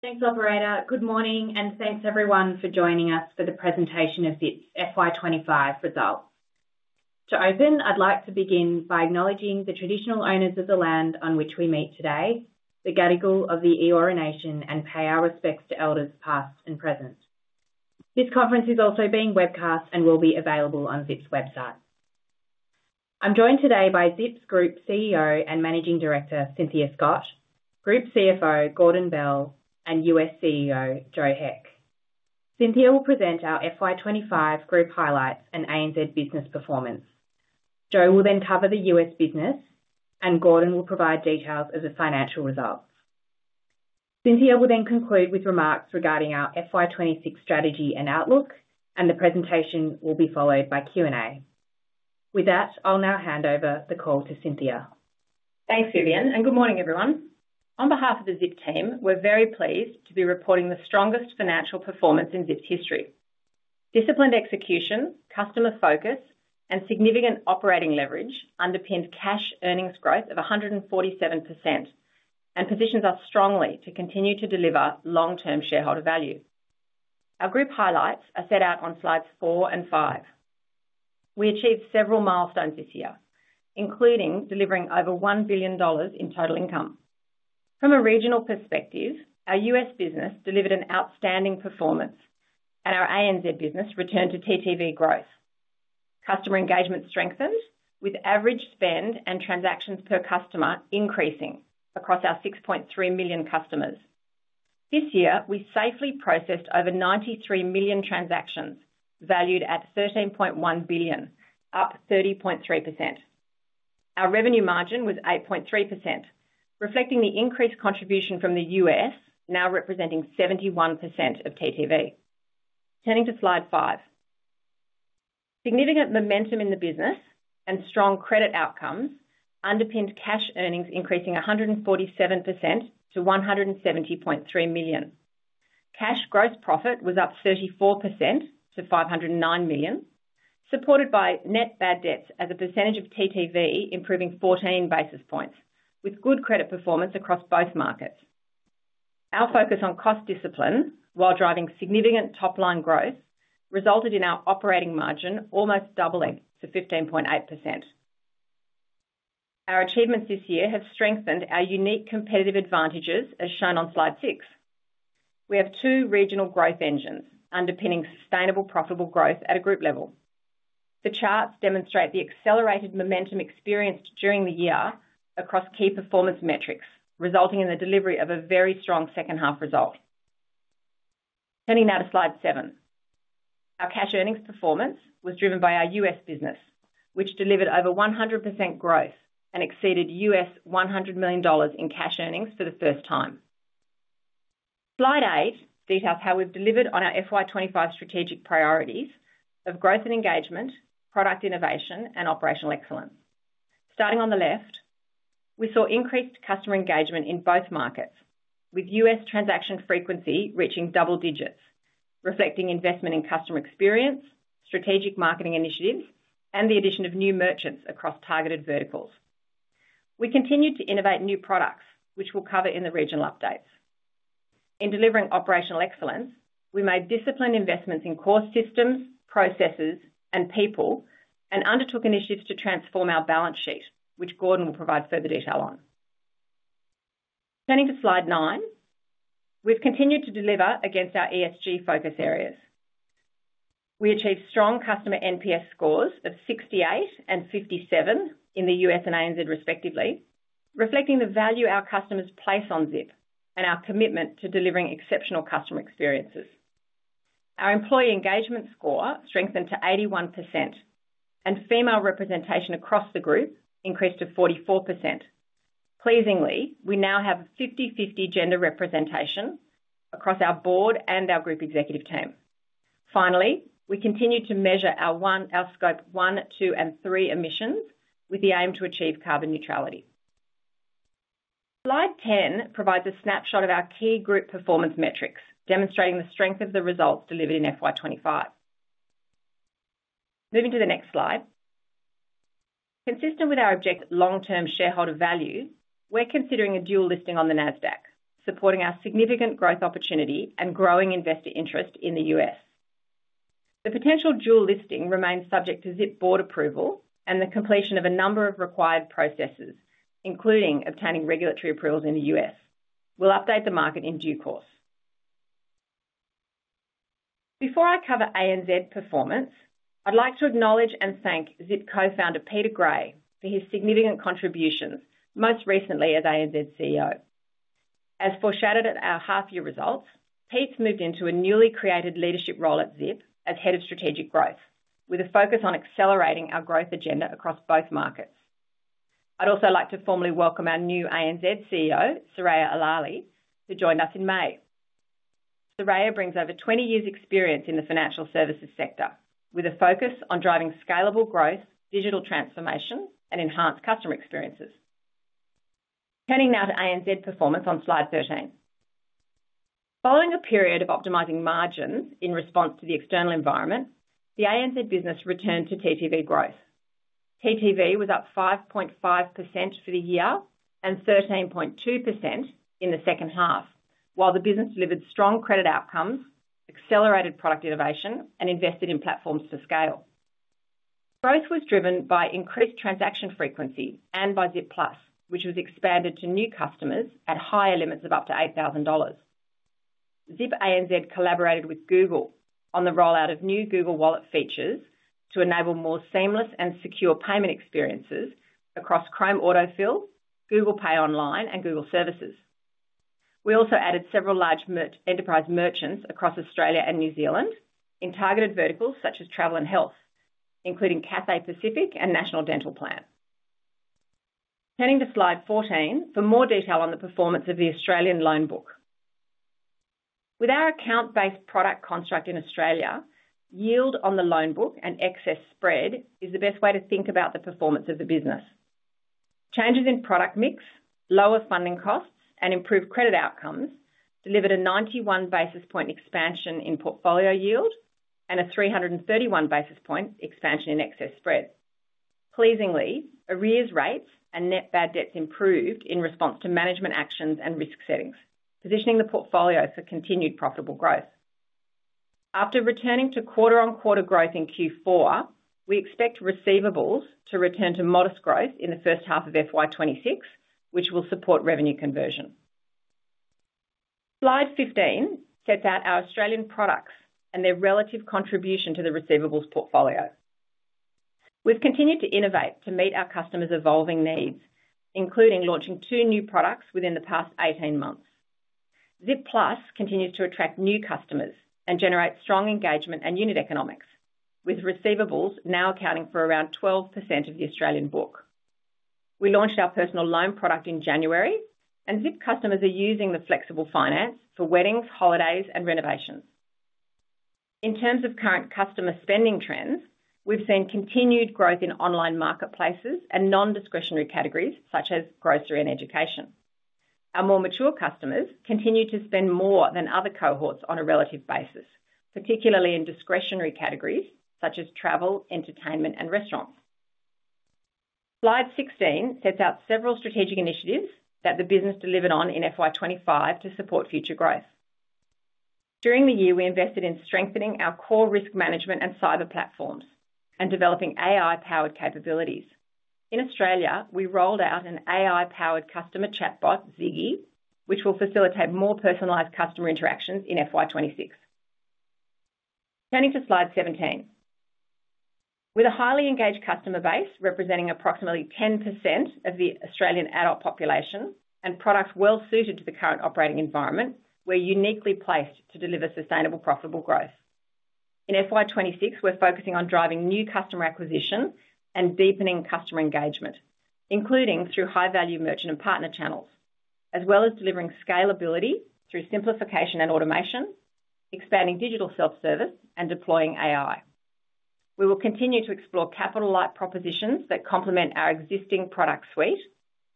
Thanks, Operator. Good morning and thanks everyone for joining us for the presentation of the FY25 results. To open, I'd like to begin by acknowledging the traditional owners of the land on which we meet today, the Gadigal of the Eora Nation, and pay our respects to elders past and present. This conference is also being webcast and will be available on Zip's website. I'm joined today by Zip's Group CEO and Managing Director Cynthia Scott, Group CFO Gordon Bell, and U.S. CEO Joe Heck. Cynthia will present our FY25 group highlights and ANZ business performance. Joe will then cover the U.S. business and Gordon will provide details of the financial results. Cynthia will then conclude with remarks regarding our FY26 strategy and outlook, and the presentation will be followed by Q&A. With that, I'll now hand over the call to Cynthia. Thanks, Vivienne, and good morning everyone. On behalf of the Zip team, we're very pleased to be reporting the strongest financial performance in Zip's history. Disciplined execution, customer focus, and significant operating leverage underpinned cash earnings growth of 147% and positions us strongly to continue to deliver long-term shareholder value. Our group highlights are set out on slides four and five. We achieved several milestones this year including delivering over $1 billion in total income. From a regional perspective, our U.S. business delivered an outstanding performance and our ANZ business returned to TTV growth. Customer engagement strengthened with average spend and transactions per customer increasing across our 6.3 million customers. This year we safely processed over 93 million transactions valued at $13.1 billion, up 30.3%. Our revenue margin was 8.3% reflecting the increased contribution from the U.S. now representing 71% of TTV. Turning to slide five. Significant momentum in the business and strong credit outcomes underpinned cash earnings increasing 147% to $170.3 million. Cash gross profit was up 34% to $509 million, supported by net bad debts as a percentage of TTV improving 14 basis points with good credit performance across both markets. Our focus on cost discipline while driving significant top line growth resulted in our operating margin almost doubling to 15.8%. Our achievements this year have strengthened our unique competitive advantages. As shown on slide six, we have two regional growth engines underpinning sustainable profitable growth at a group level. The charts demonstrate the accelerated momentum experienced during the year across key performance metrics, resulting in the delivery of a very strong second half result. Turning now to slide seven, our cash earnings performance was driven by our U.S. business, which delivered over 100% growth and exceeded $100 million in cash earnings for the first time. Slide eight details how we've delivered on our FY25 strategic priorities of growth and engagement, product innovation, and operational excellence. Starting on the left, we saw increased customer engagement in both markets, with U.S. transaction frequency reaching double digits, reflecting investment in customer experience, strategic marketing initiatives, and the addition of new merchants across targeted verticals. We continued to innovate new products, which we'll cover in the regional updates. In delivering operational excellence, we made disciplined investments in core systems, processes, and people, and undertook initiatives to transform our balance sheet, which Gordon will provide further detail on. Turning to slide nine, we've continued to deliver against our ESG focus areas. We achieved strong customer NPS scores of 68 and 57 in the U.S. and ANZ respectively, reflecting the value our customers place on Zip and our commitment to delivering exceptional customer experiences. Our employee engagement score strengthened to 81%, and female representation across the group increased to 44%. Pleasingly, we now have 50/50 gender representation across our board and our group executive team. Finally, we continue to measure our scope 1, 2, and 3 emissions with the aim to achieve carbon neutrality. Slide 10 provides a snapshot of our key group performance metrics, demonstrating the strength of the results delivered in FY25. Moving to the next slide, consistent with our objective of long-term shareholder value, we're considering a dual listing on the NASDAQ, supporting our significant growth opportunity and growing investor interest in the U.S. The potential dual listing remains subject to Zip board approval and the completion of a number of required processes, including obtaining regulatory approvals in the U.S. We'll update the market in due course. Before I cover ANZ performance, I'd like to acknowledge and thank Zip Co Founder Peter Gray for his significant contributions, most recently as ANZ CEO. As foreshadowed at our half year results, Pete's moved into a newly created leadership role at Zip as Head of Strategic Growth with a focus on accelerating our growth agenda across both markets. I'd also like to formally welcome our new ANZ CEO Soraya Alali who joined us in May. Soraya brings over 20 years' experience in the financial services sector with a focus on driving scalable growth, digital transformation, and enhanced customer experiences. Turning now to ANZ performance on Slide 13, following a period of optimizing margins in response to the external environment, the ANZ business returned to TTV growth. TTV was up 5.5% for the year and 13.2% in the second half. While the business delivered strong credit outcomes, accelerated product innovation, and invested in platforms to scale, growth was driven by increased transaction frequency and by Zip Plus, which was expanded to new customers at higher limits of up to $8,000. Zip ANZ collaborated with Google on the rollout of new Google Wallet features to enable more seamless and secure payment experiences across Chrome Autofill, Google Pay Online, and Google Services. We also added several large enterprise merchants across Australia and New Zealand in targeted verticals such as travel and health, including Cathay Pacific and National Dental Plan. Turning to Slide 14 for more detail on the performance of the Australian loan book, with our account-based product construct in Australia, yield on the loan book and excess spread is the best way to think about the performance of the business. Changes in product mix, lower funding costs, and improved credit outcomes delivered a 91 basis point expansion in portfolio yield and a 331 basis point expansion in excess spread. Pleasingly, arrears rates and net bad debt improved in response to management actions and risk settings, positioning the portfolio for continued profitable growth. After returning to quarter-on-quarter growth in Q4, we expect receivables to return to modest growth in the first half of FY26, which will support revenue conversion. Slide 15 sets out our Australian products and their relative contribution to the receivables portfolio. We've continued to innovate to meet our customers' evolving needs, including launching two new products within the past 18 months. Zip Plus continues to attract new customers and generate strong engagement and unit economics, with receivables now accounting for around 12% of the Australian book. We launched our Personal Loan product in January and Zip customers are using the flexible finance for weddings, holidays, and renovations. In terms of current customer spending trends, we've seen continued growth in online marketplaces and non-discretionary categories such as grocery and education. Our more mature customers continue to spend more than other cohorts on a relative basis, particularly in discretionary categories such as travel, entertainment, and restaurants. Slide 16 sets out several strategic initiatives that the business delivered on in FY25 to support future growth. During the year, we invested in strengthening our core risk management and cyber platforms and developing AI-powered capabilities. In Australia, we rolled out an AI-powered customer chatbot, Zigi, which will facilitate more personalized customer interactions in FY26. Turning to Slide 17, with a highly engaged customer base representing approximately 10% of the Australian adult population and products well suited to the current operating environment, we're uniquely placed to deliver sustainable, profitable growth in FY26. We're focusing on driving new customer acquisition and deepening customer engagement, including through high-value merchant and partner channels, as well as delivering scalability through simplification and automation, expanding digital self-service, and deploying AI. We will continue to explore capital-light propositions that complement our existing product suite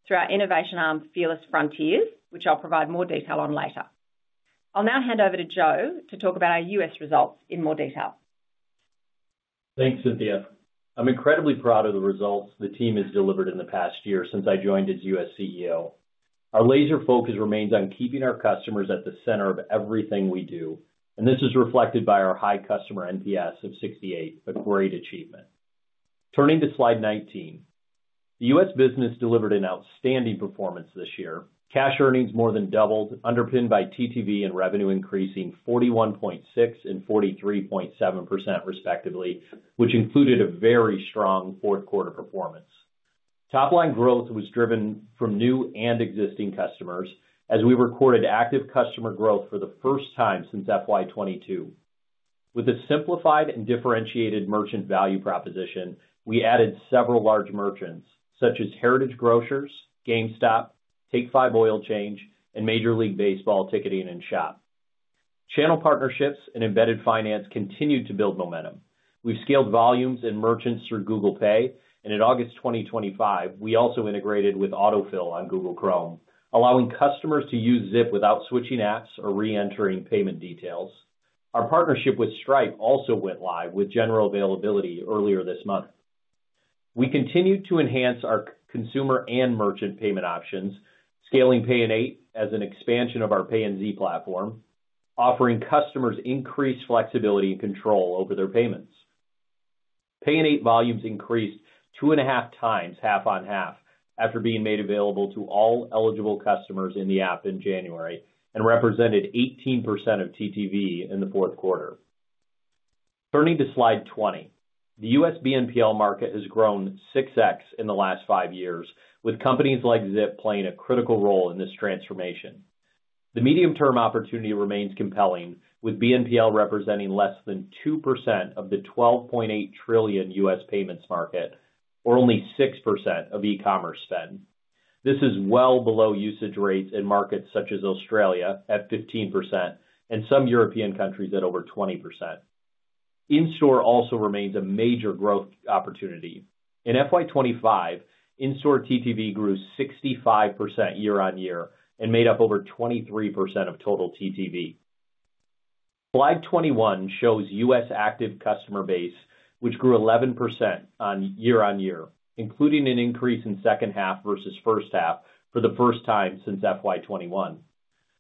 through our innovation arm, Fearless Frontiers, which I'll provide more detail on later. I'll now hand over to Joe to talk about our U.S. results in more detail. Thanks Cynthia. I'm incredibly proud of the results the team has delivered in the past year since I joined as U.S. CEO. Our laser focus remains on keeping our customers at the center of everything we do, and this is reflected by our high customer NPS of 68, a great achievement. Turning to slide 19, the U.S. business delivered an outstanding performance this year. Cash earnings more than doubled, underpinned by TTV and revenue increasing 41.6% and 43.7% respectively, which included a very strong fourth quarter performance. Top line growth was driven from new and existing customers as we recorded active customer growth for the first time since FY22 with a simplified and differentiated merchant value proposition. We added several large merchants such as Heritage Grocers, GameStop, Take 5 Oil Change, and Major League Baseball. Ticketing and Shop channel partnerships and embedded finance continued to build momentum. We've scaled volumes and merchants through Google Pay and in August 2025 we also integrated with Autofill on Google Chrome, allowing customers to use Zip without switching apps or re-entering payment details. Our partnership with Stripe also went live with general availability earlier this month. We continued to enhance our consumer and merchant payment options, scaling Pay-in-8 as an expansion of our Pay-in-Z platform, offering customers increased flexibility and control over their payments. Pay-in-8 volumes increased 2.5 times, half on half after being made available to all eligible customers in the app in January and represented 18% of TTV in the fourth quarter. Turning to slide 20, the U.S. BNPL market has grown 6x in the last five years, with companies like Zip playing a critical role in this transformation. The medium term opportunity remains compelling with BNPL representing less than 2% of the $12.8 trillion U.S. payments market or only 6% of e-commerce spend. This is well below usage rates in markets such as Australia at 15% and some European countries at over 20%. In-store also remains a major growth opportunity in FY25. In-store TTV grew 65% year on year and made up over 23% of total TTV. Slide 21 shows U.S. active customer base which grew 11% year on year, including an increase in second half versus first half for the first time since FY21.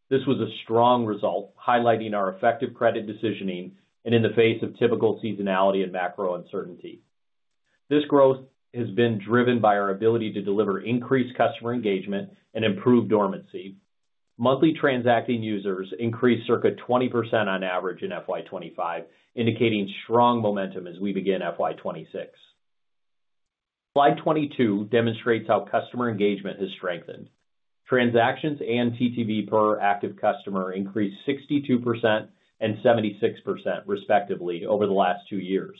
This was a strong result highlighting our effective credit decisioning in the face of typical seasonality and macro uncertainty. This growth has been driven by our ability to deliver increased customer engagement and improve dormancy. Monthly transacting users increased circa 20% on average in FY25, indicating strong momentum as we begin FY26. Slide 22 demonstrates how customer engagement has strengthened. Transactions and TTV per active customer increased 62% and 76% respectively over the last two years.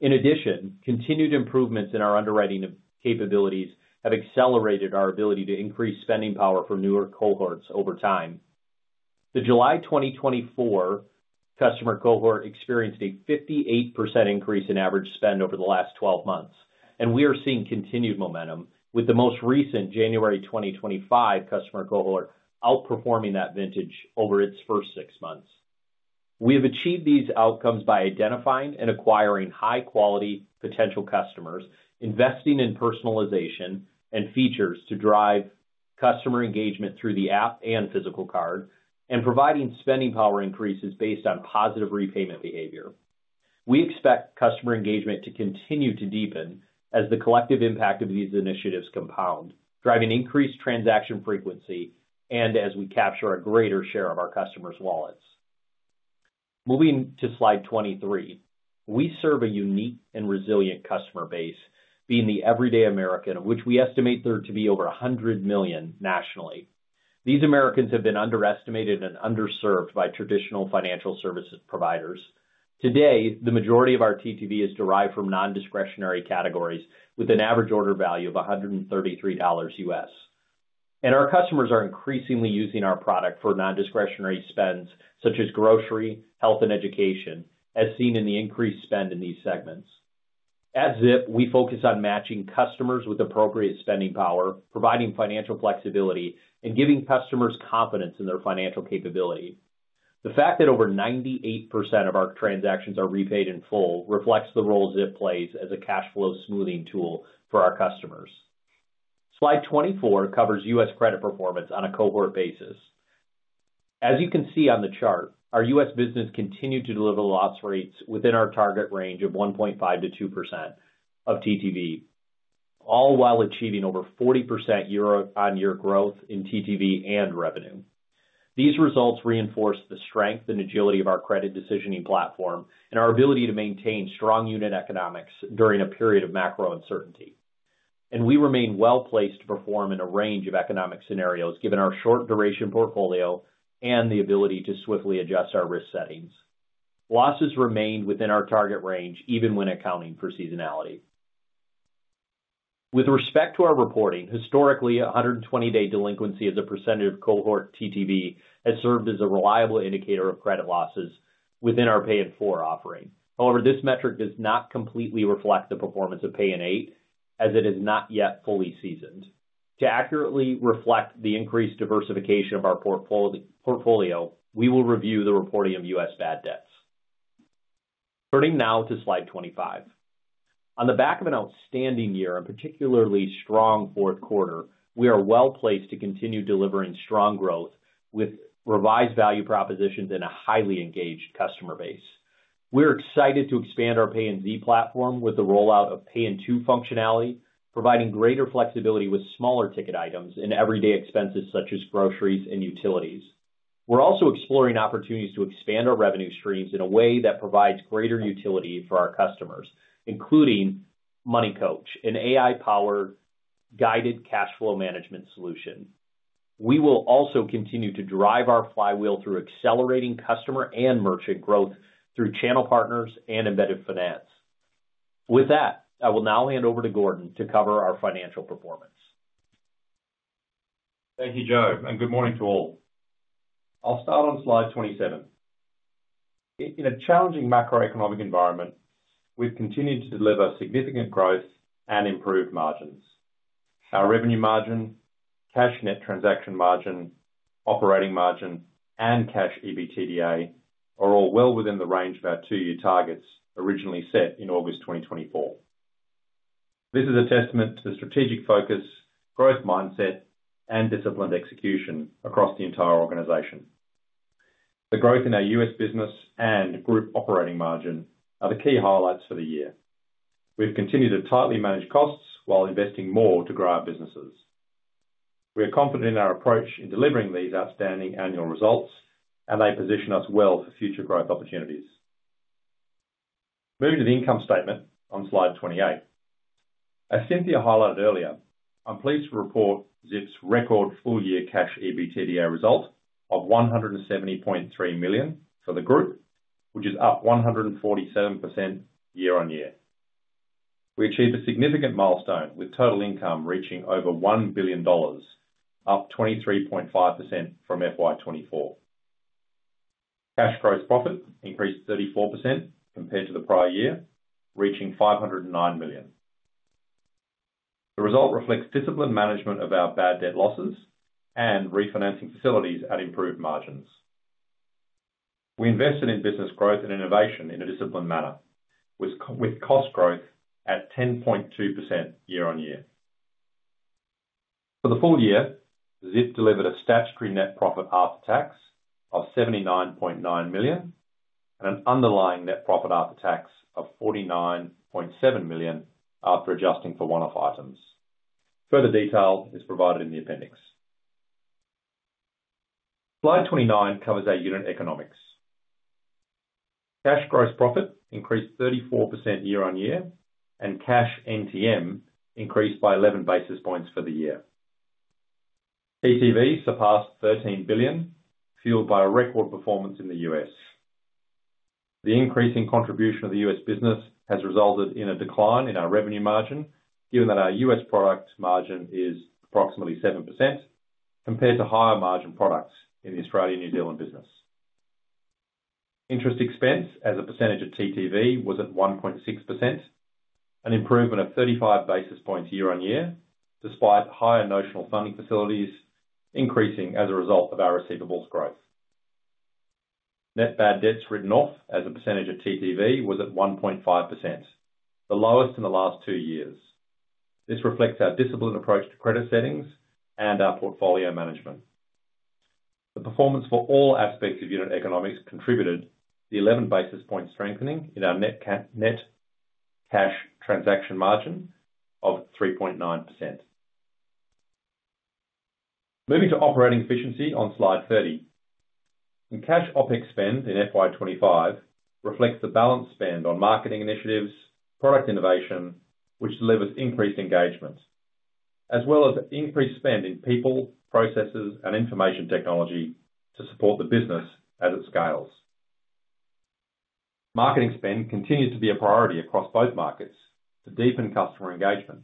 In addition, continued improvements in our underwriting capabilities have accelerated our ability to increase spending power for newer cohorts over time. The July 2024 customer cohort experienced a 58% increase in average spend over the last 12 months and we are seeing continued momentum with the most recent January 2025 customer cohort outperforming that vintage over its first six months. We have achieved these outcomes by identifying and acquiring high quality potential customers, investing in personalization and features to drive customer engagement through the app and physical card, and providing spending power increases based on positive repayment behavior. We expect customer engagement to continue to deepen as the collective impact of these initiatives compound, driving increased transaction frequency and as we capture a greater share of our customers' wallets. Moving to slide 23, we serve a unique and resilient customer base, being the everyday American of which we estimate there to be over 100 million nationally. These Americans have been underestimated and underserved by traditional financial services providers. Today the majority of our TTV is derived from non-discretionary categories with an average order value of $133 and our customers are increasingly using our product for non-discretionary spends such as grocery, health, and education as seen in the increased spend in these segments as we focus on matching customers with appropriate spending power, providing financial flexibility, and giving customers confidence in their financial capability. The fact that over 98% of our transactions are repaid in full reflects the role Zip plays as a cash flow smoothing tool for our customers. Slide 24 covers U.S. credit performance on a cohort basis. As you can see on the chart, our U.S. business continued to deliver loss rates within our target range of 1.5%-2% of TTV, all while achieving over 40% year on year growth in TTV and revenue. These results reinforce the strength and agility of our credit decisioning platform and our ability to maintain strong unit economics during a period of macro uncertainty, and we remain well placed to perform in a range of economic scenarios given our short duration portfolio and the ability to swiftly adjust our risk settings. Losses remained within our target range even when accounting for seasonality. With respect to our reporting, historically 120-day delinquency as a percentage of cohort TTV has served as a reliable indicator of credit losses within our Pay-in-4 offering. However, this metric does not completely reflect the performance of Pay-in-8 as it is not yet fully seasoned. To accurately reflect the increased diversification of our portfolio, we will review the reporting of U.S. bad debts. Turning now to slide 25, on the back of an outstanding year and particularly strong fourth quarter, we are well placed to continue delivering strong growth with revised value propositions and a highly engaged customer base. We're excited to expand our Pay-in-Z platform with the rollout of Pay-in-2 functionality, providing greater flexibility with smaller ticket items and everyday expenses such as groceries and utilities. We're also exploring opportunities to expand our revenue streams in a way that provides greater utility for our customers, including MoneyCoach, an AI-powered guided cash flow management solution. We will also continue to drive our flywheel through accelerating customer and merchant growth through Channel Partners and Embedded Finance. With that, I will now hand over to Gordon to cover our financial performance. Thank you Joe and good morning to all. I'll start on slide 27. In a challenging macroeconomic environment, we've continued to deliver significant growth and improved margins. Our revenue margin, cash Net Transaction margin, operating margin and cash EBITDA are all well within the range of our two year targets originally set in August 2024. This is a testament to the strategic focus, growth mindset and disciplined execution across the entire organization. The growth in our U.S. business and group operating margin are the key highlights for the year. We've continued to tightly manage costs while investing more to grow our businesses. We are confident in our approach in delivering these outstanding annual results and they position us well for future growth opportunities. Moving to the income statement on slide 28, as Cynthia Scott highlighted earlier, I'm pleased to report Zip's record full year cash EBITDA result of $170.3 million for the group, which is up 147% year on year. We achieved a significant milestone with total income reaching over $1 billion, up 23.5% from FY24. Cash gross profit increased 34% compared to the prior year, reaching $509 million. The result reflects disciplined management of our bad debt losses and refinancing facilities at improved margins. We invested in business growth and innovation in a disciplined manner with cost growth at 10.2% year on year. For the full year, Zip delivered a statutory net profit after tax of $79.9 million and an underlying net profit after tax of $49.7 million after adjusting for one off items. Further detail is provided in the appendix. Slide 29 covers our unit economics. Cash gross profit increased 34% year on year and cash NTM increased by 11 basis points for the year. TTV surpassed $13 billion, fueled by a record performance in the U.S. The increasing contribution of the U.S. business has resulted in a decline in our revenue margin given that our U.S. product margin is approximately 7% compared to higher margin products in the Australia and New Zealand region. Business interest expense as a percentage of TTV was at 1.6%, an improvement of 35 basis points year on year despite higher notional funding facilities increasing as a result of our receivables growth. Net bad debts written off as a percentage of TTV was at 1.5%, the lowest in the last two years. This reflects our disciplined approach to credit settings and our portfolio management. The performance for all aspects of unit economics contributed the 11 basis point strengthening in our net cash transaction margin of 3.9%. Moving to operating efficiency on slide 30, cash OpEx spend in FY25 reflects the balanced spend on marketing initiatives, product innovation which delivers increased engagement, as well as increased spend in people, processes, and information technology to support the business as it scales. Marketing spend continues to be a priority across both markets to deepen customer engagement.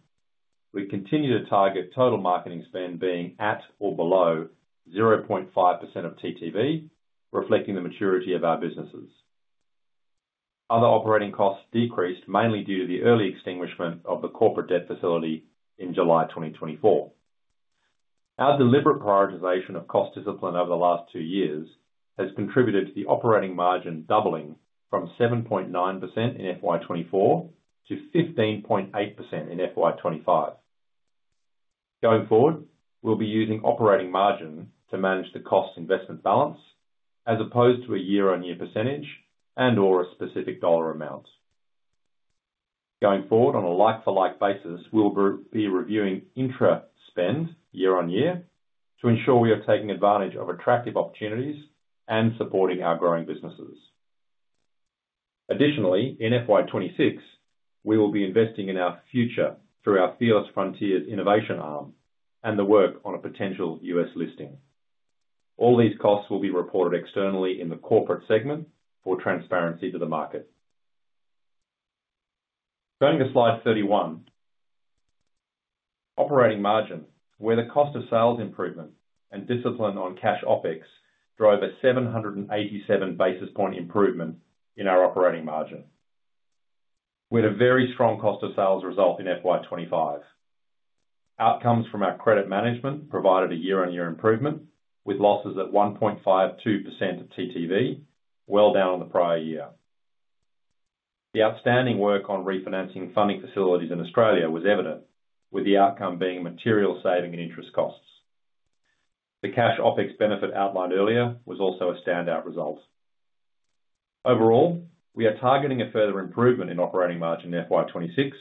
We continue to target total marketing spend being at or below 0.5% of TTV, reflecting the maturity of our businesses. Other operating costs decreased mainly due to the early extinguishment of the corporate debt facility in July 2024. Our deliberate prioritization of cost discipline over the last two years has contributed to the operating margin doubling from 7.9% in FY24 to 15.8% in FY25. Going forward, we'll be using operating margin to manage the cost investment balance as opposed to a year-on-year percentage and or a specific dollar amount going forward on a like-for-like basis. We'll be reviewing intra spend year-on-year to ensure we are taking advantage of attractive opportunities and supporting our growing businesses. Additionally, in FY26 we will be investing in our future through our Fearless Frontiers Innovation arm and the work on a potential U.S. listing. All these costs will be reported externally in the corporate segment for transparency to the market. Turning to slide 31, operating margin where the cost of sales improvement and discipline on cash OpEx drove a 787 basis point improvement in our operating margin. We had a very strong cost of sales result in FY25. Outcomes from our credit management provided a year-on-year improvement with losses at 1.52% of TTV, well down on the prior year. The outstanding work on refinancing funding facilities in Australia was evident with the outcome being a material saving in interest costs. The cash OpEx benefit outlined earlier was also a standout result. Overall, we are targeting a further improvement in operating margin in FY26,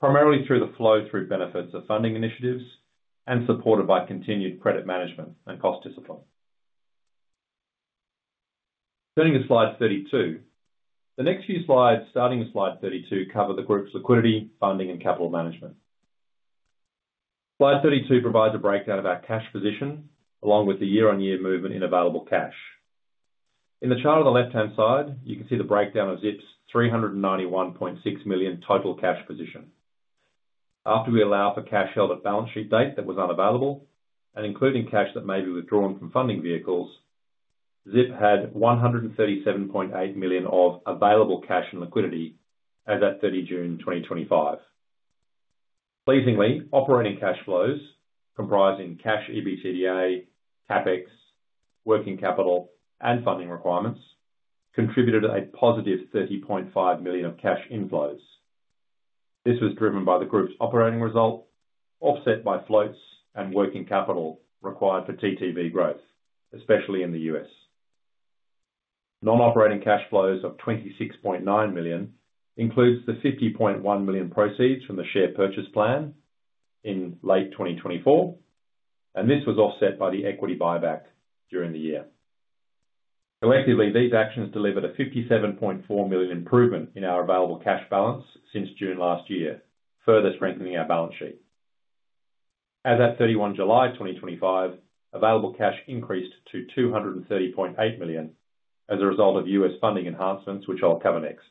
primarily through the flow-through benefits of funding initiatives and supported by continued credit management and cost discipline. Turning to slide 32, the next few slides starting with slide 32 cover the group's liquidity, funding, and capital management. Slide 32 provides a breakdown of our cash position along with the year-on-year movement in available cash. In the chart on the left hand side you can see the breakdown of Zip's $391.6 million total cash position after we allow for cash held at balance sheet date that was unavailable and including cash that may be withdrawn from funding vehicles. Zip had $137.8 million of available cash and liquidity. As at 30 June 2025, pleasingly operating cash flows comprising cash, EBITDA, CapEx, working capital and funding requirements contributed a positive $30.5 million of cash inflows. This was driven by the Group's operating result offset by floats and working capital required for TTV growth, especially in the U.S. Non operating cash flows of $26.9 million includes the $50.1 million proceeds from the share purchase plan in late 2024 and this was offset by the equity buyback during the year. Collectively, these actions delivered a $57.4 million improvement in our available cash balance since June last year, further strengthening our balance sheet. As at 31 July 2025, available cash increased to $230.8 million as a result of U.S. funding enhancements, which I'll cover next.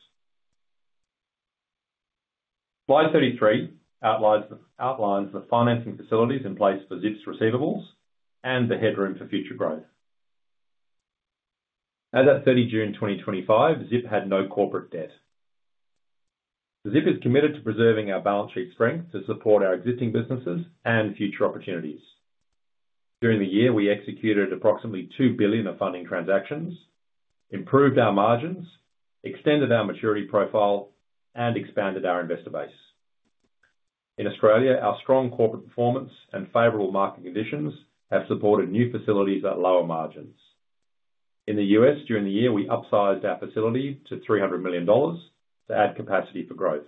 Slide 33 outlines the financing facilities in place for Zip's receivables and the headroom for future growth. As at 30 June 2025, Zip had no corporate debt. Zip is committed to preserving our balance sheet strength to support our existing businesses and future opportunities. During the year we executed approximately $2 billion of funding transactions, improved our margins, extended our maturity profile and expanded our investor base in Australia. Our strong corporate performance and favorable market conditions have supported new facilities at lower margins in the U.S. During the year we upsized our facility to $300 million to add capacity for growth.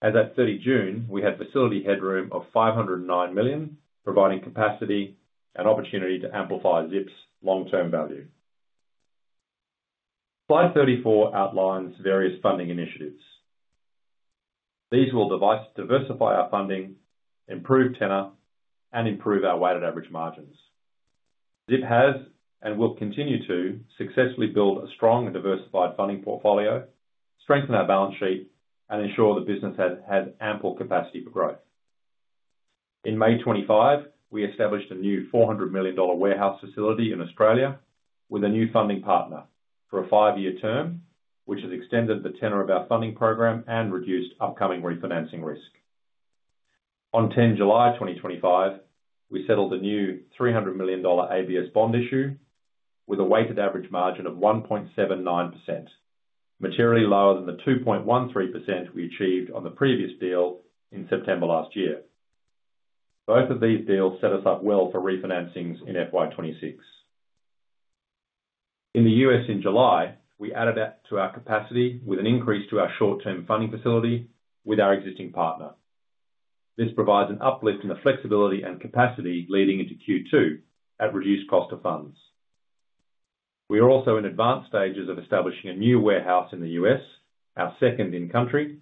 As at 30 June we had facility headroom of $509 million providing capacity and opportunity to amplify Zip's long term value. Slide 34 outlines various funding initiatives. These will diversify our funding, improve tenor and improve our weighted average margins. Zip has and will continue to successfully build a strong and diversified funding portfolio, strengthen our balance sheet and ensure the business has ample capacity for growth. In May 25th we established a new $400 million warehouse facility in Australia with a new funding partner for a five year term which has extended the tenor of our funding program and reduced upcoming refinancing risk. On 10 July 2025 we settled the new $300 million ABS bond issue with a weighted average margin of 1.79%, materially lower than the 2.13% we achieved on the previous deal in September last year. Both of these deals set us up well for refinancings in FY26 in the U.S. In July we added to our capacity with an increase to our short-term funding facility with our existing partner. This provides an uplift in the flexibility and capacity leading into Q2 at reduced cost of funds. We are also in advanced stages of establishing a new warehouse in the U.S., our second in country,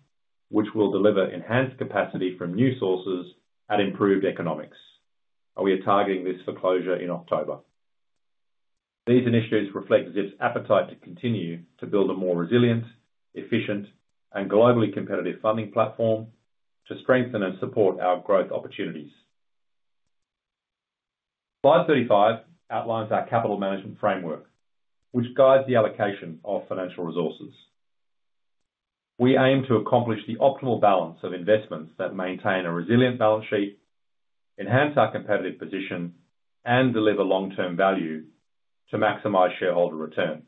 which will deliver enhanced capacity from new sources at improved economics and we are targeting this for closure in October. These initiatives reflect Zip's appetite to continue to build a more resilient, efficient, and globally competitive funding platform to strengthen and support our growth opportunities. Slide 35 outlines our capital management framework which guides the allocation of financial resources. We aim to accomplish the optimal balance of investments that maintain a resilient balance sheet, enhance our competitive position, and deliver long-term value to maximize shareholder return.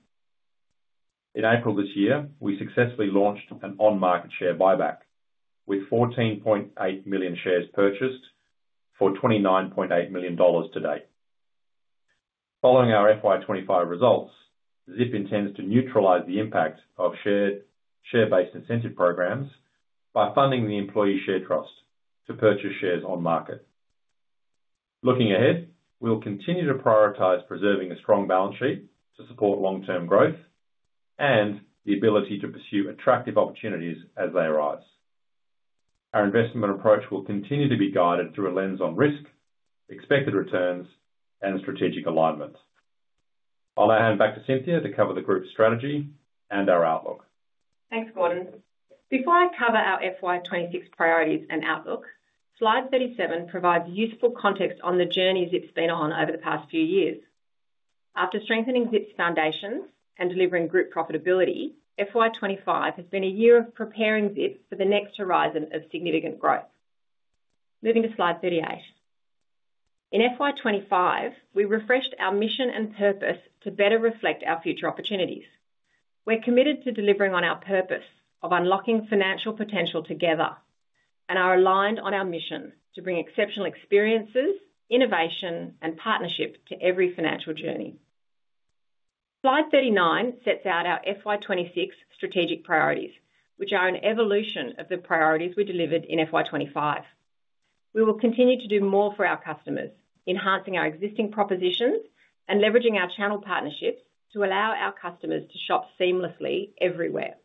In April this year we successfully launched an on-market share buyback with 14.8 million shares purchased for $29.8 million to date. Following our FY25 results, Zip intends to neutralize the impact of share-based incentive programs by funding the Employee Share Trust to purchase shares on market. Looking ahead, we will continue to prioritize preserving a strong balance sheet to support long-term growth and the ability to pursue attractive opportunities as they arise. Our investment approach will continue to be guided through a lens on risk, expected returns, and strategic alignment. I'll now hand back to Cynthia Scott to cover the group's strategy and our outlook. Thanks, Gordon. Before I cover our FY26 priorities and outlook, slide 37 provides useful context on the journey Zip's been on over the past few years. After strengthening Zip's foundation and delivering group profitability, FY25 has been a year of preparing Zip for the next horizon of significant growth. Moving to slide 38, in FY25 we refreshed our mission and purpose to better reflect our future opportunities. We're committed to delivering on our purpose of unlocking financial potential together and are aligned on our mission to bring exceptional experiences, innovation, and partnership to every financial journey. Slide 39 sets out our FY26 strategic priorities, which are an evolution of the priorities we delivered in FY25. We will continue to do more for our customers, enhancing our existing propositions and leveraging our channel partnerships to allow our customers to shop seamlessly everywhere.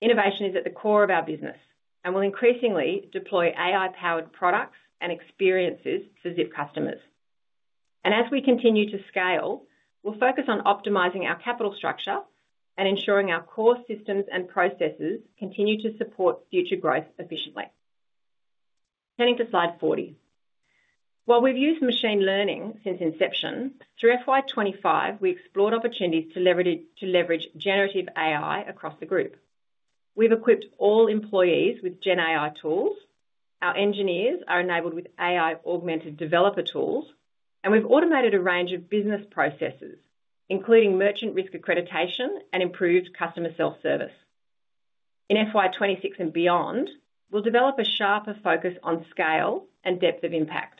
Innovation is at the core of our business and we will increasingly deploy AI-powered products and experiences to Zip customers. As we continue to scale, we'll focus on optimizing our capital structure and ensuring our core systems and processes continue to support future growth efficiently. Turning to slide 40, while we've used machine learning since inception, through FY25 we explored opportunities to leverage generative AI across the group. We've equipped all employees with GenAI tools, our engineers are enabled with AI-augmented developer tools, and we've automated a range of business processes including merchant risk, accreditation, and improved customer self-service. In FY26 and beyond, we will develop a sharper focus on scale and depth of impact.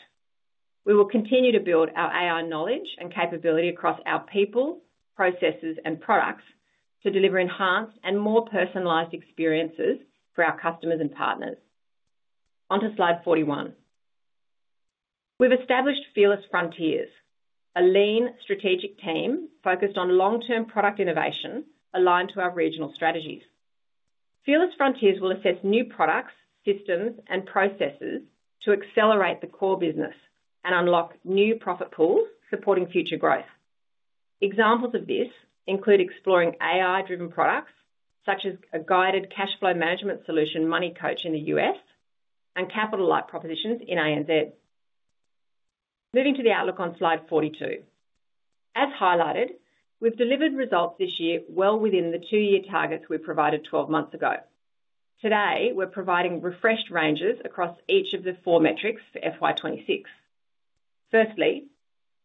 We will continue to build our AI knowledge and capability across our people, processes, and products to deliver enhanced and more personalized experiences for our customers and partners. Onto slide 41, we've established Fearless Frontiers, a lean strategic team focused on long-term product innovation aligned to our regional strategies. Fearless Frontiers will assess new products, systems, and processes to accelerate the core business and unlock new profit pools supporting future growth. Examples of this include exploring AI-driven products such as a guided cash flow management solution, MoneyCoach in the U.S., and capital-light propositions in ANZ. Moving to the outlook on slide 42, as highlighted, we've delivered results this year well within the two-year targets we provided 12 months ago. Today, we're providing refreshed ranges across each of the four metrics for FY26. Firstly,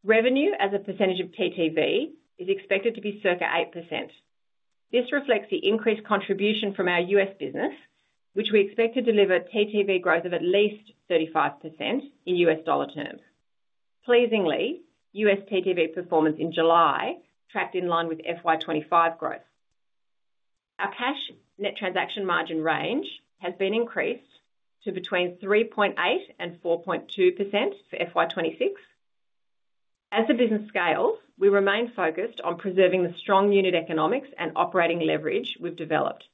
revenue as a percentage of TTV is expected to be circa 8%. This reflects the increased contribution from our U.S. business which we expect to deliver TTV growth of at least 35% in U.S. dollar terms. Pleasingly, U.S. TTV performance in July tracked in line with FY25 growth. Our cash net transaction margin range has been increased to between 3.8% and 4.2% for FY26. As the business scales, we remain focused on preserving the strong unit economics and operating leverage we've developed,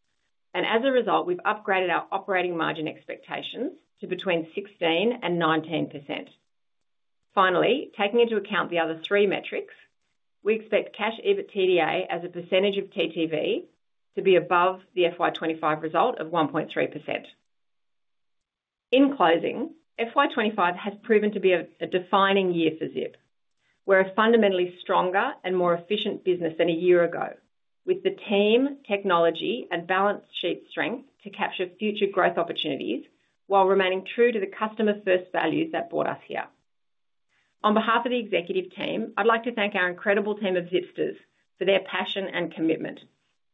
and as a result, we've upgraded our operating margin expectations to between 16% and 19%. Finally, taking into account the other three metrics, we expect Cash EBITDA as a percentage of TTV to be above the FY25 result of 1.3%. In closing, FY25 has proven to be a defining year for Zip Co Limited. We're a fundamentally stronger and more efficient business than a year ago with the team, technology, and balance sheet strength to capture future growth opportunities while remaining true to the customer first values that brought us here. On behalf of the executive team, I'd like to thank our incredible team of Zipsters for their passion and commitment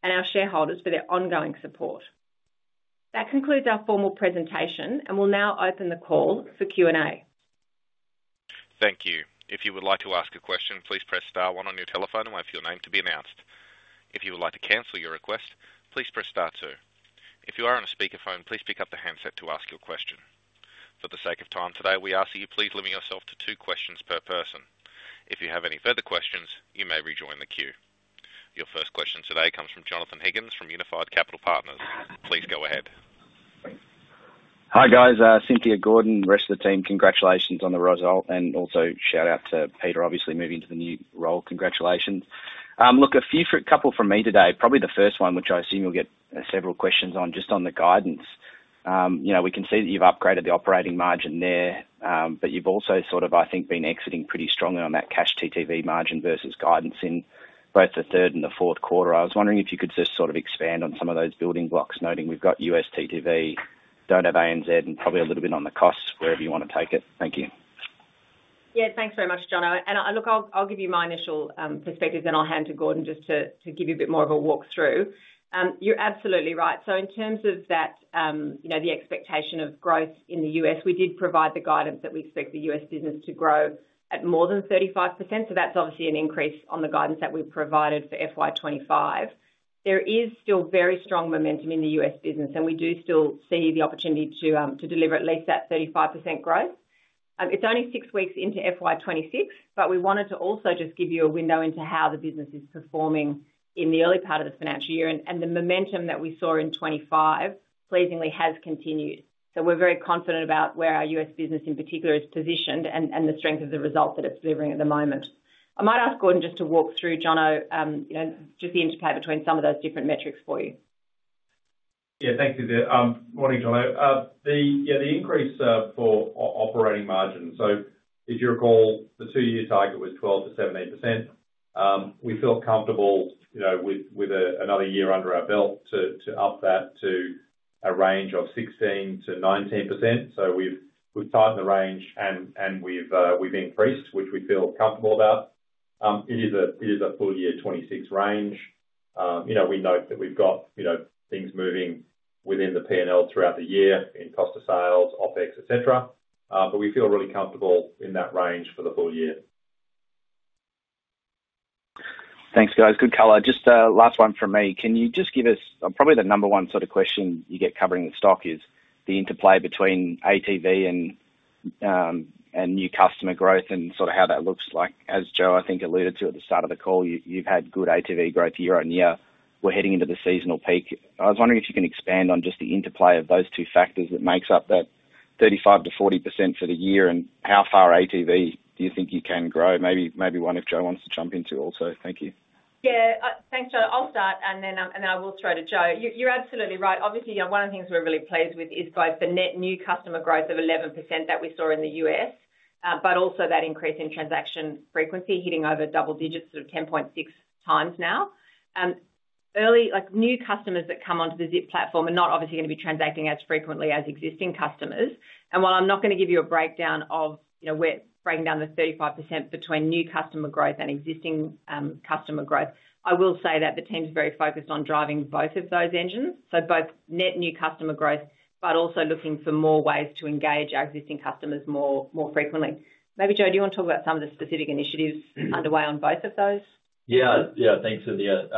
and our shareholders for their ongoing support. That concludes our formal presentation and we'll now open the call for Q&A. Thank you. If you would like to ask a question, please press star one on your telephone and wait for your name to be announced. If you would like to cancel your request, please press star two. If you are on a speakerphone, please pick up the handset to ask your question. For the sake of time today, we ask that you please limit yourself to two questions per person. If you have any further questions, you may rejoin the queue. Your first question today comes from Jonathon Higgins from Unified Capital Partners. Please go ahead. Hi, guys. Cynthia, Gordon, rest of the team, congratulations on the result and also shout out to Peter, obviously moving to the new revenue role. Congratulations. Look, a few couple from me today, probably the first one, which I assume you'll get several questions on, just on the guidance. We can see that you've upgraded the operating margin there, but you've also sort of, I think, been exiting pretty strongly on that cash TTV margin versus guidance in both the third and the fourth quarter. I was wondering if you could just sort of expand on some of those building blocks, noting we've got U.S. TTV, don't have ANZ, and probably a little bit on the costs, wherever you want to take it. Thank you. Yeah, thanks very much, Jonathon. I'll give you my initial perspective, then I'll hand to Gordon just to give you a bit more of a walkthrough. You're absolutely right. In terms of that, the expectation of growth in the U.S., we did provide the guidance that we expect the U.S. business to grow at more than 35%. That's obviously an increase on the guidance that we provided for FY25. There is still very strong momentum in the U.S. business and we do still see the opportunity to deliver at least that 35% growth. It's only six weeks into FY26, but we wanted to also just give you a window into how the business is performing in the early part of the financial year. The momentum that we saw in 2025 pleasingly has continued. We're very confident about where our U.S. business in particular is positioned and the strength of the result that it's delivering at the moment. I might ask Gordon just to walk through, Jona, the interplay between some of those different metrics for you. Yeah, thanks, Cynthia. Morning, Jona. The increase for operating margin, if you recall, the two year target was 12%-17%. We feel comfortable with another year under our belt to up that to a range of 16%-19%. We've tightened the range and we've increased, which we feel comfortable about. It is a full year 2026 range. We note that we've got things moving within the P&L throughout the year in cost of sales, OpEx, et cetera, but we feel really comfortable in that range for the full year. Thanks, guys. Good color. Just last one from me. Can you just give us probably the number one sort of question you get covering the stock is the interplay between ATV and new customer growth and sort of how that looks like, as Joe I think alluded to at the start of the call, you've had good ATV growth year on year. We're heading into the seasonal peak. I was wondering if you can expand on just the interplay of those two factors that makes up that 35%-40% for the year and how far ATV do you think you can grow? Maybe one if Joe wants to jump in too also. Thank you. Yeah, thanks Joe. I'll start and then I will throw to Joe. You're absolutely right. Obviously, one of the things we're really pleased with is both the net new customer growth of 11% that we saw in the U.S. but also that increase in transaction frequency hitting over double digits, 10.6x now early. New customers that come onto the Zip platform are not obviously going to be transacting as frequently as existing customers. While I'm not going to give you a breakdown of, you know, we're breaking down the 35% between new customer growth and existing customer growth, I will say that the team is very focused on driving both of those engines. Both net new customer growth but also looking for more ways to engage our existing customers more, more frequently maybe. Joe, do you want to talk about some of the specific initiatives underway on both of those. Yeah, thanks, Cynthia.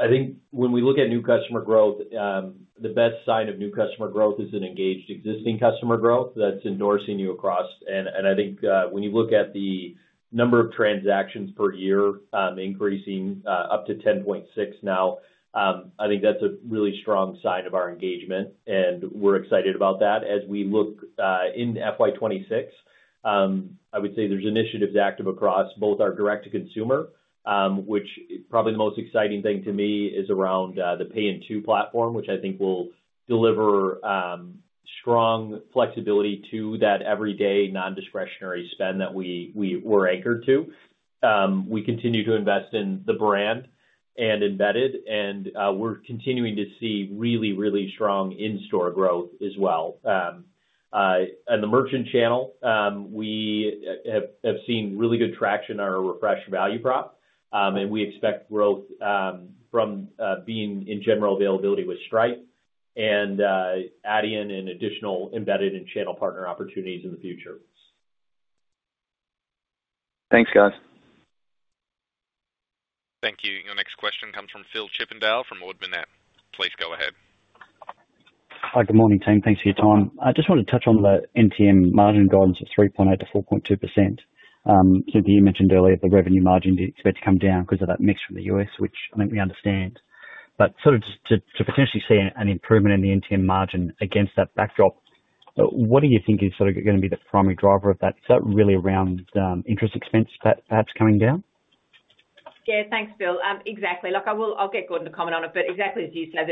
I think when we look at new customer growth, the best sign of new customer growth is an engaged existing customer growth that's endorsing you across. I think when you look at the number of transactions per year increasing up to 10.6 now, I think that's a really strong sign of our engagement and we're excited about that. As we look in FY26, I would say there's initiatives active across both our direct to consumer, which probably the most exciting thing to me is around the Pay-in-8 platform, which I think will deliver strong flexibility to that everyday non-discretionary spend that we were anchored to. We continue to invest in the brand and embedded, and we're continuing to see really, really strong in-store growth as well. In the merchant channel, we have seen really good traction in our refreshed value prop, and we expect growth from being in general availability with Stripe and adding in additional embedded and channel partner opportunities in the future. Thanks guys. Thank you. Your next question comes from Phil Chippindale from Ord Minnett. Please go ahead. Hi, good morning team. Thanks for your time. I just want to touch on the NTM margin guidance of 3.8%-4.2%. Cynthia, you mentioned earlier the revenue margin did expect to come down because of that mix from the U.S., which I think we understand, but sort of to potentially see an improvement in the NTM margin against that backdrop, what do you think is sort of going to be the primary driver of that? Is that really around interest expense perhaps coming down? Yeah, thanks, Phil. Exactly. Look, I'll get Gordon to comment on it. Exactly as you said,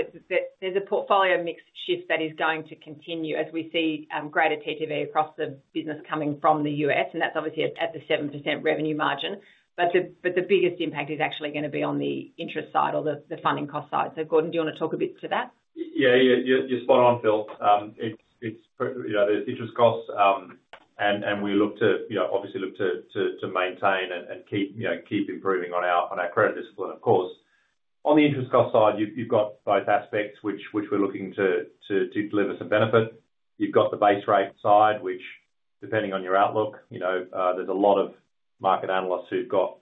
there's a portfolio mix shift that is going to continue as we see greater TTV across the business coming from the U.S., and that's obviously at the 7% revenue margin. The biggest impact is actually going to be on the interest side or the funding cost side. Gordon, do you want to talk a bit to that? Yeah, you're spot on, Phil. The interest costs, and we look to obviously maintain and keep improving on our credit discipline. Of course, on the interest cost side, you've got both aspects which we're looking to deliver some benefit. You've got the base rate side, which depending on your outlook, there's a lot of market analysts who've got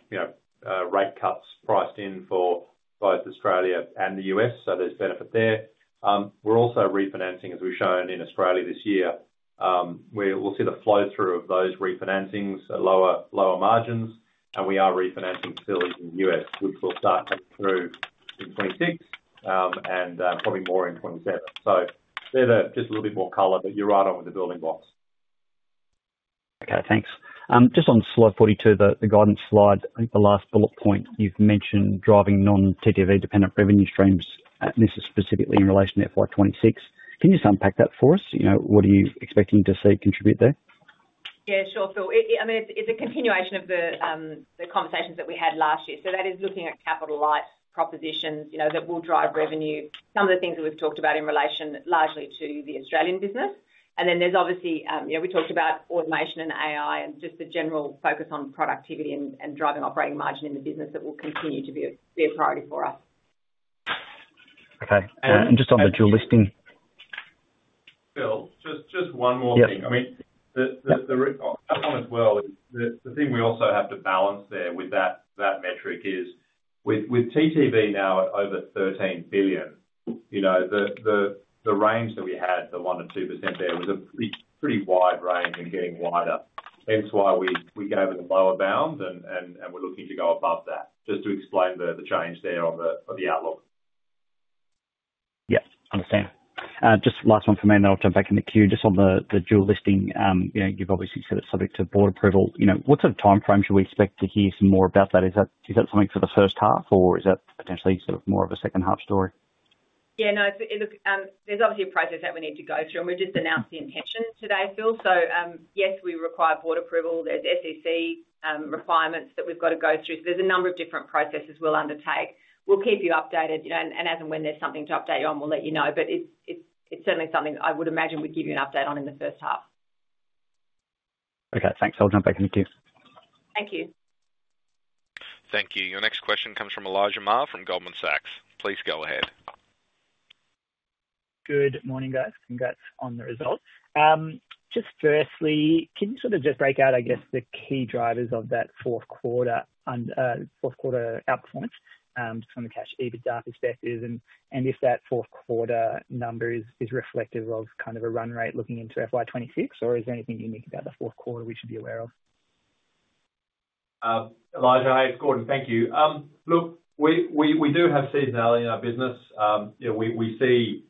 rate cuts priced in for both Australia and the U.S., so there's benefit there. We're also refinancing, as we've shown in Australia this year. We'll see the flow through of those refinancings at lower margins. We are refinancing facilities in the U.S., which will start up through in 2026 and probably more in 2027. There's just a little bit more color, but you're right on with the building blocks. Okay, thanks. Just on slide 42, the guidance slide, the last bullet point you've mentioned driving non-TTV dependent revenue streams. This is specifically in relation to FY26. Can you just unpack that for us? You know, what are you expecting to see contribute there? Yeah, sure, Phil. I mean it's a continuation of the conversations that we had last year. That is looking at capital-light propositions, you know, that will drive revenue. Some of the things that we've talked about in relation largely to the Australian business. There's obviously, you know, we talked about automation and AI and just the general focus on productivity and driving operating margin in the business. That will continue to be a priority for us. Okay, and just on the dual listing. Phil, just one more thing. I mean the one as well, the thing we also have to balance there with that metric is with TTV now at over $13 billion, you know, the range that we had, the 1% or 2% there was a pretty wide range and getting wider, hence why we gave it a lower bound. We're looking to go above that. Just to explain the change there on the outlook. Yes, understand, just last one for me and I'll jump back in the queue. Just on the dual listing, you've obviously said it's subject to board approval. What sort of time frame should we expect to hear some more about that? Is that something for the first half or is that potentially sort of more of a second half story? Yeah, no, look, there's obviously a process that we need to go through and we just announced the intention today, Phil. Yes, we require board approval. There are SEC requirements that we've got to go through. There are a number of different processes we'll undertake. We'll keep you updated and as and when there's something to update you on, we'll let you know. It's certainly something I would imagine we'd give you an update on in the first half. Okay, thanks. I'll jump back in the queue. Thank you. Thank you. Your next question comes from Elijah Mayr from Goldman Sachs. Please go ahead. Good morning, guys. Congrats on the results. Just firstly, can you sort of just break out, I guess, the key drivers of that fourth quarter, fourth quarter outperformance just from the cash EBITDA perspective, and if that fourth quarter number is reflective of kind of a run rate looking into FY26, or is there anything unique about the fourth quarter we should be aware of? Elijah, it's Gordon. Thank you. Look, we do have seasonality in our business. We see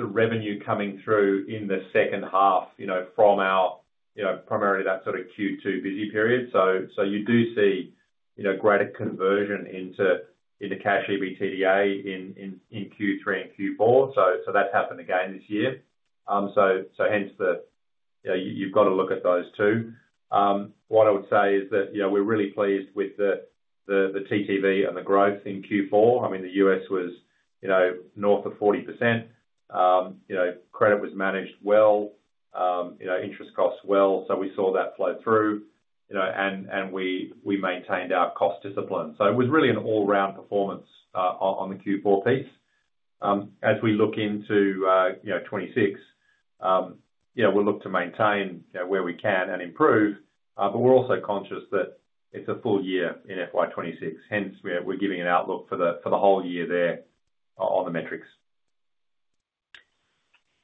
revenue coming through in the second half, primarily that sort of Q2 busy period. You do see greater conversion into cash EBITDA in Q3 and Q4. That's happened again this year. Hence, you've got to look at those two. What I would say is that we're really pleased with the TTV and the growth in Q4. I mean the U.S. was north of 40%. Credit was managed well, interest costs well. We saw that flow through, and we maintained our cost discipline. It was really an all-round performance on the Q4 piece. As we look into 2026, we'll look to maintain where we can and improve. We're also conscious that it's a full year in FY26, hence we're giving an outlook for the whole year. There's on the metrics.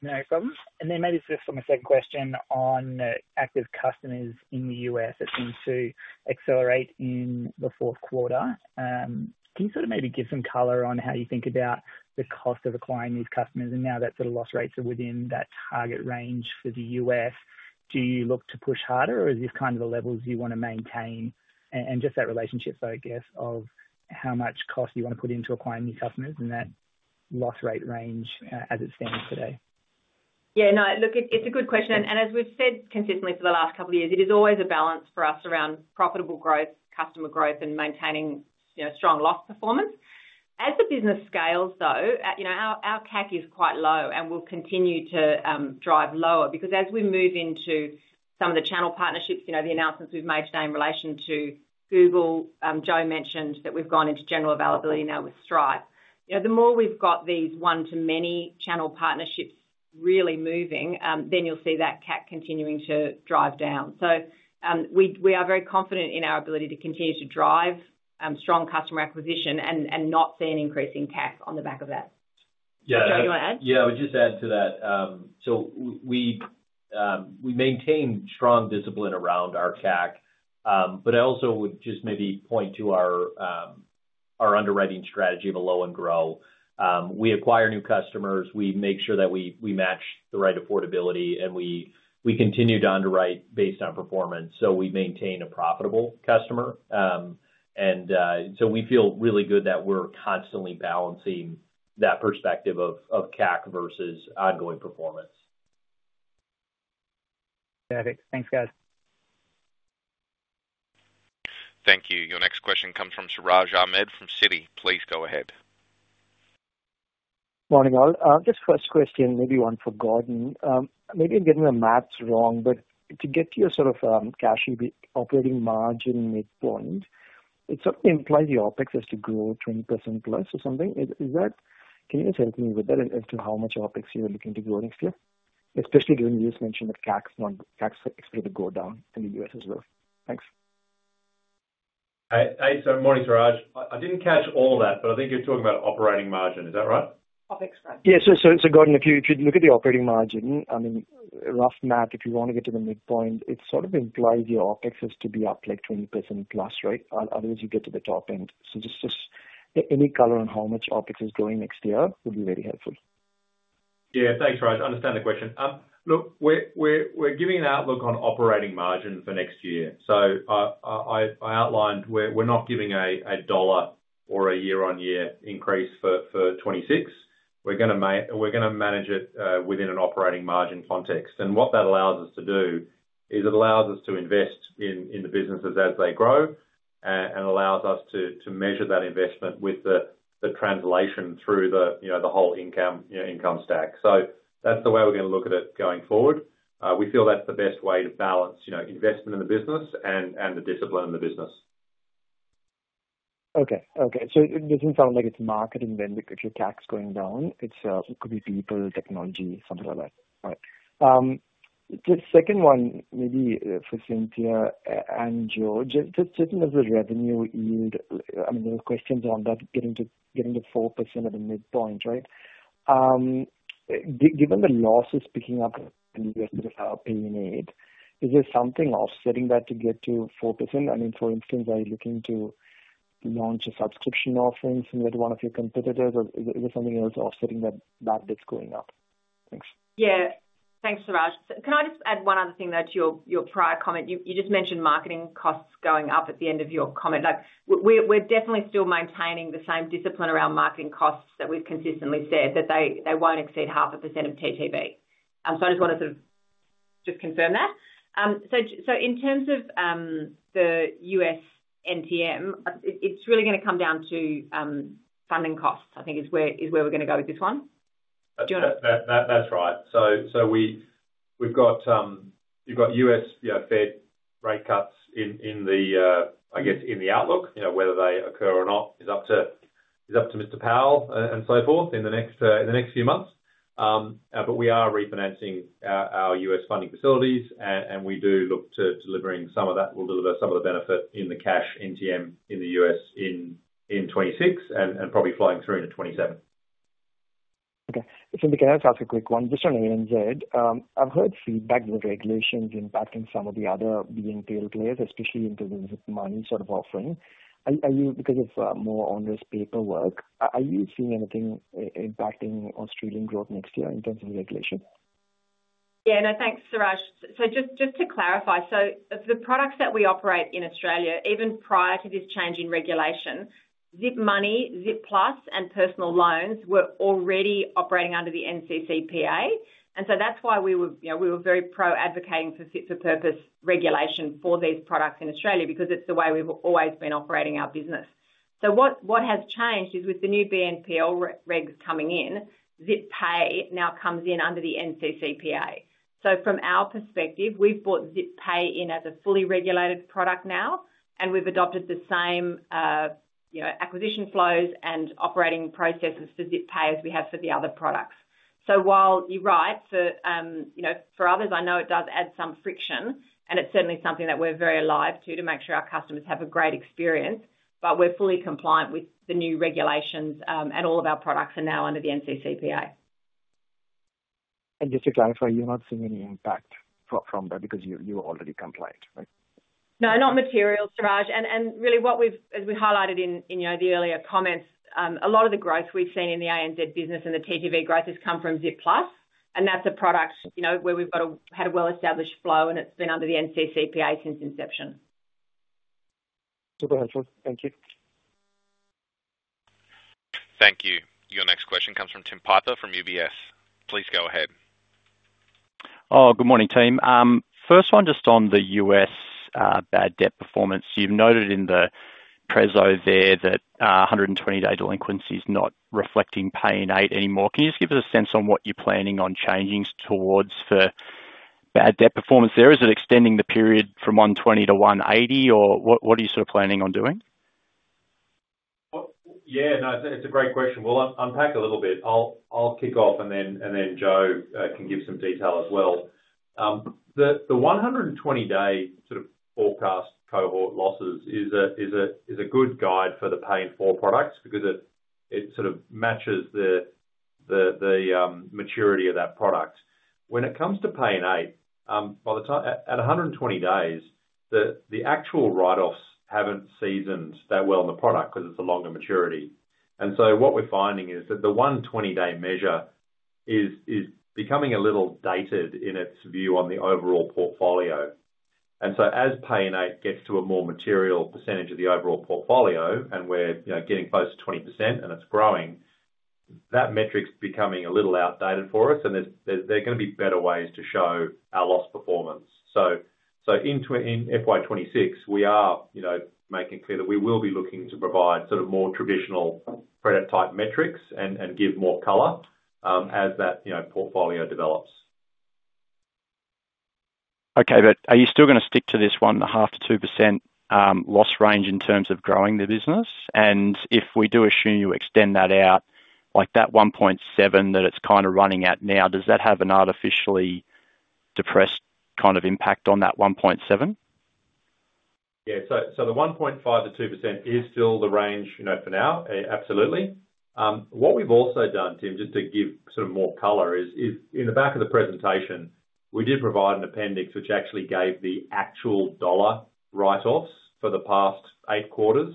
No problem. Maybe just for my second question on active customers in the U.S., that seems to accelerate in the fourth quarter. Can you sort of maybe give some color on how you think about the cost of acquiring these customers? Now that sort of loss rates are within that target range for the U.S., do you look to push harder or is this kind of the levels you want to maintain, and just that relationship focus of how much cost you want to put into acquiring new customers in that loss rate range as it stands today? Yeah, no, look, it's a good question and as we've said consistently for the last couple years, it is always a balance for us around profitable growth, customer growth, and maintaining strong loss performance. As the business scales, though, our CAC is quite low and will continue to drive lower because as we move into some of the channel partnerships, the announcements we've made today in relation to Google, Joe mentioned that we've gone into general availability now with Stripe. The more we've got these one-to-many channel partnerships really moving, you'll see that CAC continuing to drive down. We are very confident in our ability to continue to drive strong customer acquisition and not see an increase in CAC. On the back of that, Joe? Yeah, I would just add to that. We maintain strong discipline around our CAC. I also would just maybe point to our underwriting strategy of a low and grow. We acquire new customers, we make sure that we match the right affordability, and we continue to underwrite based on performance. We maintain a profitable customer, and we feel really good that we're constantly balancing that perspective of CAC versus ongoing performance. Perfect. Thanks, guys. Thank you. Your next question comes from Siraj Ahmed from Citigroup Inc. Please go ahead. Morning all. First question, maybe one for Gordon. Maybe I'm getting the maths wrong, but to get your sort of cash operating margin midpoint, it certainly implies the OpEx has to grow 20%+ or something. Is that, can you just help me with that as to how much OpEx you're looking to grow next year, especially given you just mentioned that tax expected to go down in the U.S. as well. Thanks. Good morning, Siraj. I didn't catch all that, but I think you're talking about operating margin. Is that right? Yeah. Gordon, if you look. At the operating margin, I mean, rough math, if you want to get to the midpoint, it sort of implies your OpEx to be up like 20%+. Right. Otherwise, you get to the top end. Just any color on how much OpEx is growing next year would be very helpful. Yeah, thanks, Siraj. I understand the question. Look, we're giving an outlook on operating margin for next year. I outlined we're not giving a dollar or a year-on-year increase for 2026. We're going to manage it within an operating margin context. What that allows us to do is it allows us to invest in the businesses as they grow and allows us to measure that investment with the translation through the whole income stack. That's the way we're going to look at it going forward. We feel that's the best way to balance investment in the business and the discipline in the business. Okay. It doesn't sound like it's marketing then. If your tax going down, it could be people, technology, something like that. The second one, maybe for Cynthia and Gordon, certain of the revenue yield, I mean, there were questions on that getting to, getting to 4% at the midpoint. Right. Given the losses, picking up payment, is there something offsetting that to get to 4%? I mean, for instance, are you looking to launch a subscription offering similar to one of your competitors, or is there something else offsetting that? That's going up. Thanks. Yeah, thanks, Siraj. Can I just add one other thing to your prior comment? You mentioned marketing costs going up at the end of your comment. We're definitely still maintaining the same discipline around marketing costs that we've consistently said that they won't exceed 0.5% of TTV. I just want to confirm that. In terms of the U.S. NTM, it's really going to come down to funding costs, I think is where we're going to go with this one. That's right. You've got U.S. Fed rate cuts in the outlook. Whether they occur or not is up to Mr. Powell and so forth in the next few months. We are refinancing our U.S. funding facilities and we do look to delivering some of that. We'll deliver some of the benefit in the cash NTM in the U.S. in 2026 and probably flying through in 2027. Okay, can I just ask a quick one just on ANZ, I've heard feedback the regulations impacting some of the other BNPL players, especially in terms of money sort of offering. Are you, because of more on risk paperwork, are you seeing anything impacting Australian growth next year in terms of regulation? Yeah, no. Thanks, Siraj. Just to clarify, the products that we operate in Australia, even prior to this change in regulation, Zip Money, Zip Plus, and Personal Loans were already operating under the NCCPA. That's why we were very pro advocating for fit for purpose regulation for these products in Australia because it's the way we've always been operating our business. What has changed is with the new BNPL regs coming in, Zip Pay now comes in under the NCCPA. From our perspective, we've brought Zip Pay in as a fully regulated product now and we've adopted the same acquisition flows and operating processes for Zip Pay as we have for the other products. While you're right for others, I know it does add some friction and it's certainly something that we're very alive to to make sure our customers have a great experience. We're fully compliant with the new regulations and all of our products are now under the NCCPA. Just to clarify, you're not seeing any impact from that because you already complied, right? No, not material Siraj. As we highlighted in the earlier comments, a lot of the growth we've seen in the ANZ business and the TTV growth has come from Zip Plus. That's a product where we've got a well-established flow and it's been under the NCCPA since inception. Super helpful, thank you. Thank you. Your next question comes from Tim Piper from UBS. Please go ahead. Oh, good morning team. First one just on the U.S. bad debt performance. You've noted in the TTV there that. 120 day delinquency is not reflecting Pay-in-8 anymore. Can you just give us a sense on what you're planning on changing towards. For bad debt performance there? Is it extending the period from 120 to 180, or what are you sort of planning on doing? Yeah, no, it's a great question. We'll unpack a little bit. I'll kick off and then Joe can give some detail as well. The 120-day sort of forecast cohort losses is a good guide for the Pay-in-4 products because it sort of matches the maturity of that product. When it comes to Pay-in-8 at 120 days, the actual write-offs haven't seasoned that well in the product because it's a longer maturity. What we're finding is that the 120-day measure is becoming a little dated in its view on the overall portfolio. As Pay-in-8 gets to a more material percentage of the overall portfolio and we're getting close to 20% and it's growing, that metric's becoming a little outdated for us and there are going to be better ways to show our loss performance. In FY26 we are making clear that we will be looking to provide more traditional product type metrics and give more color as that portfolio develops. Okay, but are you still going to. Stick to this one, the 0.5%-2% loss range in terms of growing the business? If we do assume you extend that out like that 1.7% that it's kind of running at now, does that have an artificially depressed kind of impact on that 1.7%? Yeah, so the 1.5%-2% is still the range, you know, for now. Absolutely. What we've also done, Tim, just to give some more color is in the back of the presentation we did provide an appendix which actually gave the actual dollar write offs for the past eight quarters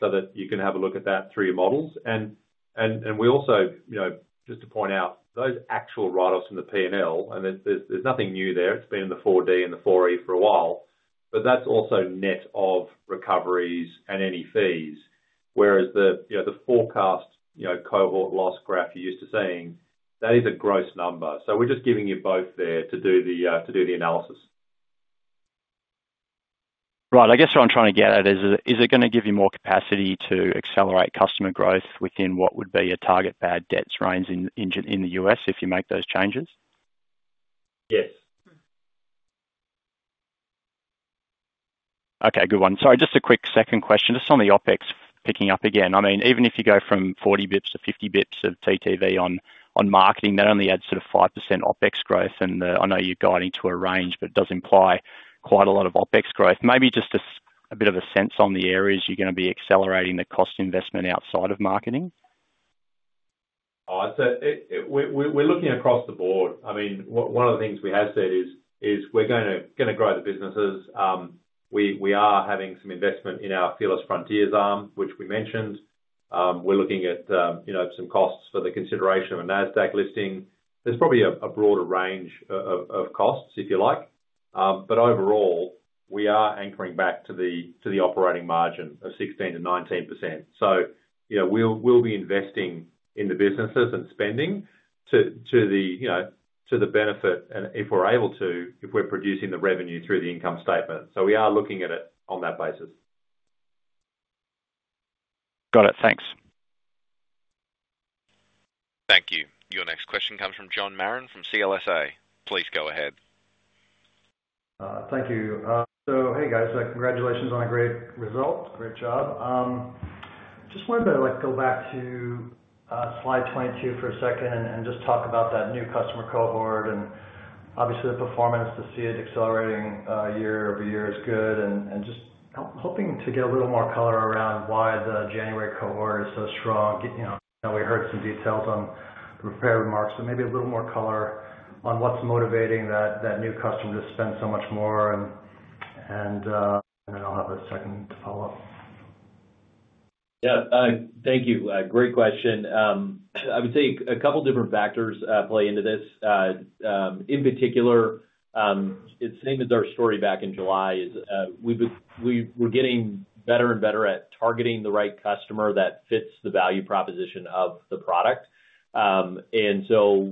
so that you can have a look at that through your models. We also, you know, just to point out those actual write offs in the P&L and there's nothing new there. It's been in the 4D and the.4E for a while. That's also net of recoveries and any fees. Whereas the forecast cohort loss graph you're used to seeing, that is a gross number. We're just giving you both there to do the analysis. Right. I guess what I'm trying to get. Is it going to give. You have more capacity to accelerate customer growth within what would be a target net bad debts range in the U.S. if you make those changes? Yes. Okay, good one. Sorry, just a quick second question. Just on the OpEx picking up again, I mean, even if you go from 40 basis points to 50 basis points of TTV on marketing, that only adds sort of 5% OpEx growth. I know you're guiding to a range, but it does imply quite a. Lot of OpEx growth. Maybe just a bit of a sense. On the areas you're going to be accelerating the cost investment, outside of marketing. We're looking across the board. I mean, one of the things we have said is we're going to grow the businesses. We are having some investment in our Fearless Frontiers arm, which we mentioned. We're looking at some costs for the consideration of a NASDAQ listing. There's probably a broader range of costs, if you like. Overall, we are anchoring back to the operating margin of 16%-19%. We'll be investing in the businesses and spending to the benefit, and if we're able to, if we're producing the revenue through the income statement. We are looking at it on that basis. Got it. Thanks. Thank you. Your next question comes from John Marrin from CLSA. Please go ahead. Thank you. Hey guys, congratulations on a great result. Great job. Just wanted to go back to slide 22 for a second and talk about that new customer cohort. Obviously, the performance to see it accelerating year over year is good. I'm just hoping to get a little more color around why the January cohort is so strong. We heard some details on prepared remarks, so maybe a little more color on what's motivating that new customer to spend so much more. And. I'll have a second to follow up. Thank you. Great question. I would say a couple different factors play into this. In particular, it's same as our story back in July. We were getting better and better at targeting the right customer that fits the value proposition of the product.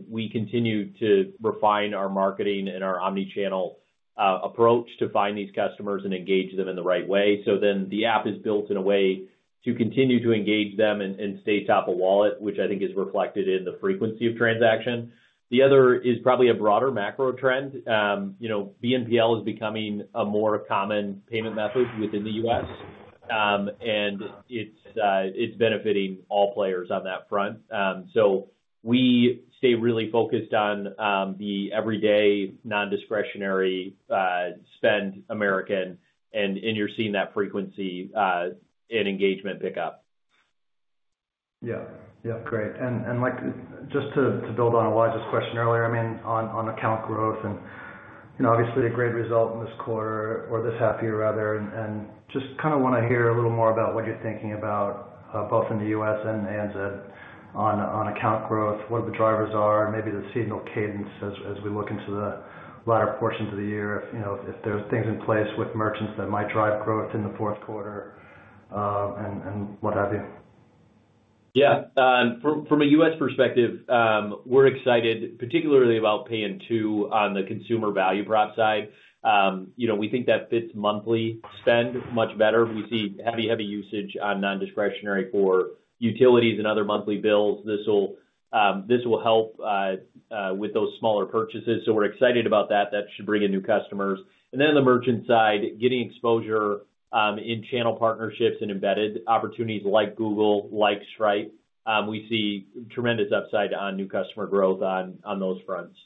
We continue to refine our marketing and our omnichannel approach to find these customers and engage them in the right way. The app is built in a way to continue to engage them and stay top of wallet, which I think is reflected in the frequency of transaction. The other is probably a broader macro trend. You know, BNPL is becoming a more common payment method within the U.S. and it's benefiting all players on that front. We see stay really focused on the everyday non-discretionary spend American and you're seeing that frequency and engagement pick up. Yeah, great. Just to build on Elijah's question earlier, on account growth and, you know, obviously a great result in this quarter or this half year rather, I just kind of want to hear a little more about what you're thinking about both in the U.S. and ANZ on account growth. What the drivers are and maybe the seasonal cadence as we look into the latter portion of the year. If there's things in place with merchants that might drive growth in the fourth quarter and what have you. Yeah, from a US perspective we're excited particularly about Pay-in-2 on the consumer value prop side. We think that fits monthly spend much better. We see heavy, heavy usage on non-discretionary core utilities and other monthly bills. This will help with those smaller purchases. We're excited about that. That should bring in new customers, and then the merchant side, getting exposure in channel partnerships and embedded opportunities like Google, like Stripe. We see tremendous upside on new customer growth on those fronts.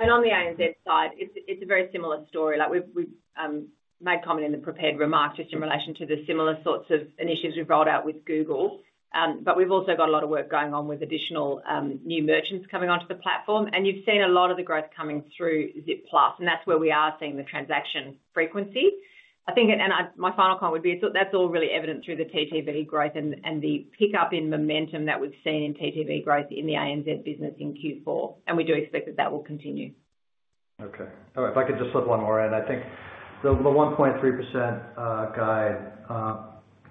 On the ANZ side, it's a very similar story. We made comment in the prepared remarks just in relation to the similar sorts of initiatives we've rolled out with Google. We've also got a lot of work going on with additional new merchants coming onto the platform, and you've seen a lot of the growth coming through Zip Plus. That's where we are seeing the transaction frequency, I think. My final point would be that's all really evident through the TTV growth and the pickup in momentum that we've seen in TTV growth in the ANZ business in Q4, and we do expect that will continue. Okay, if I could just slip one more in. I think the 1.3% guide,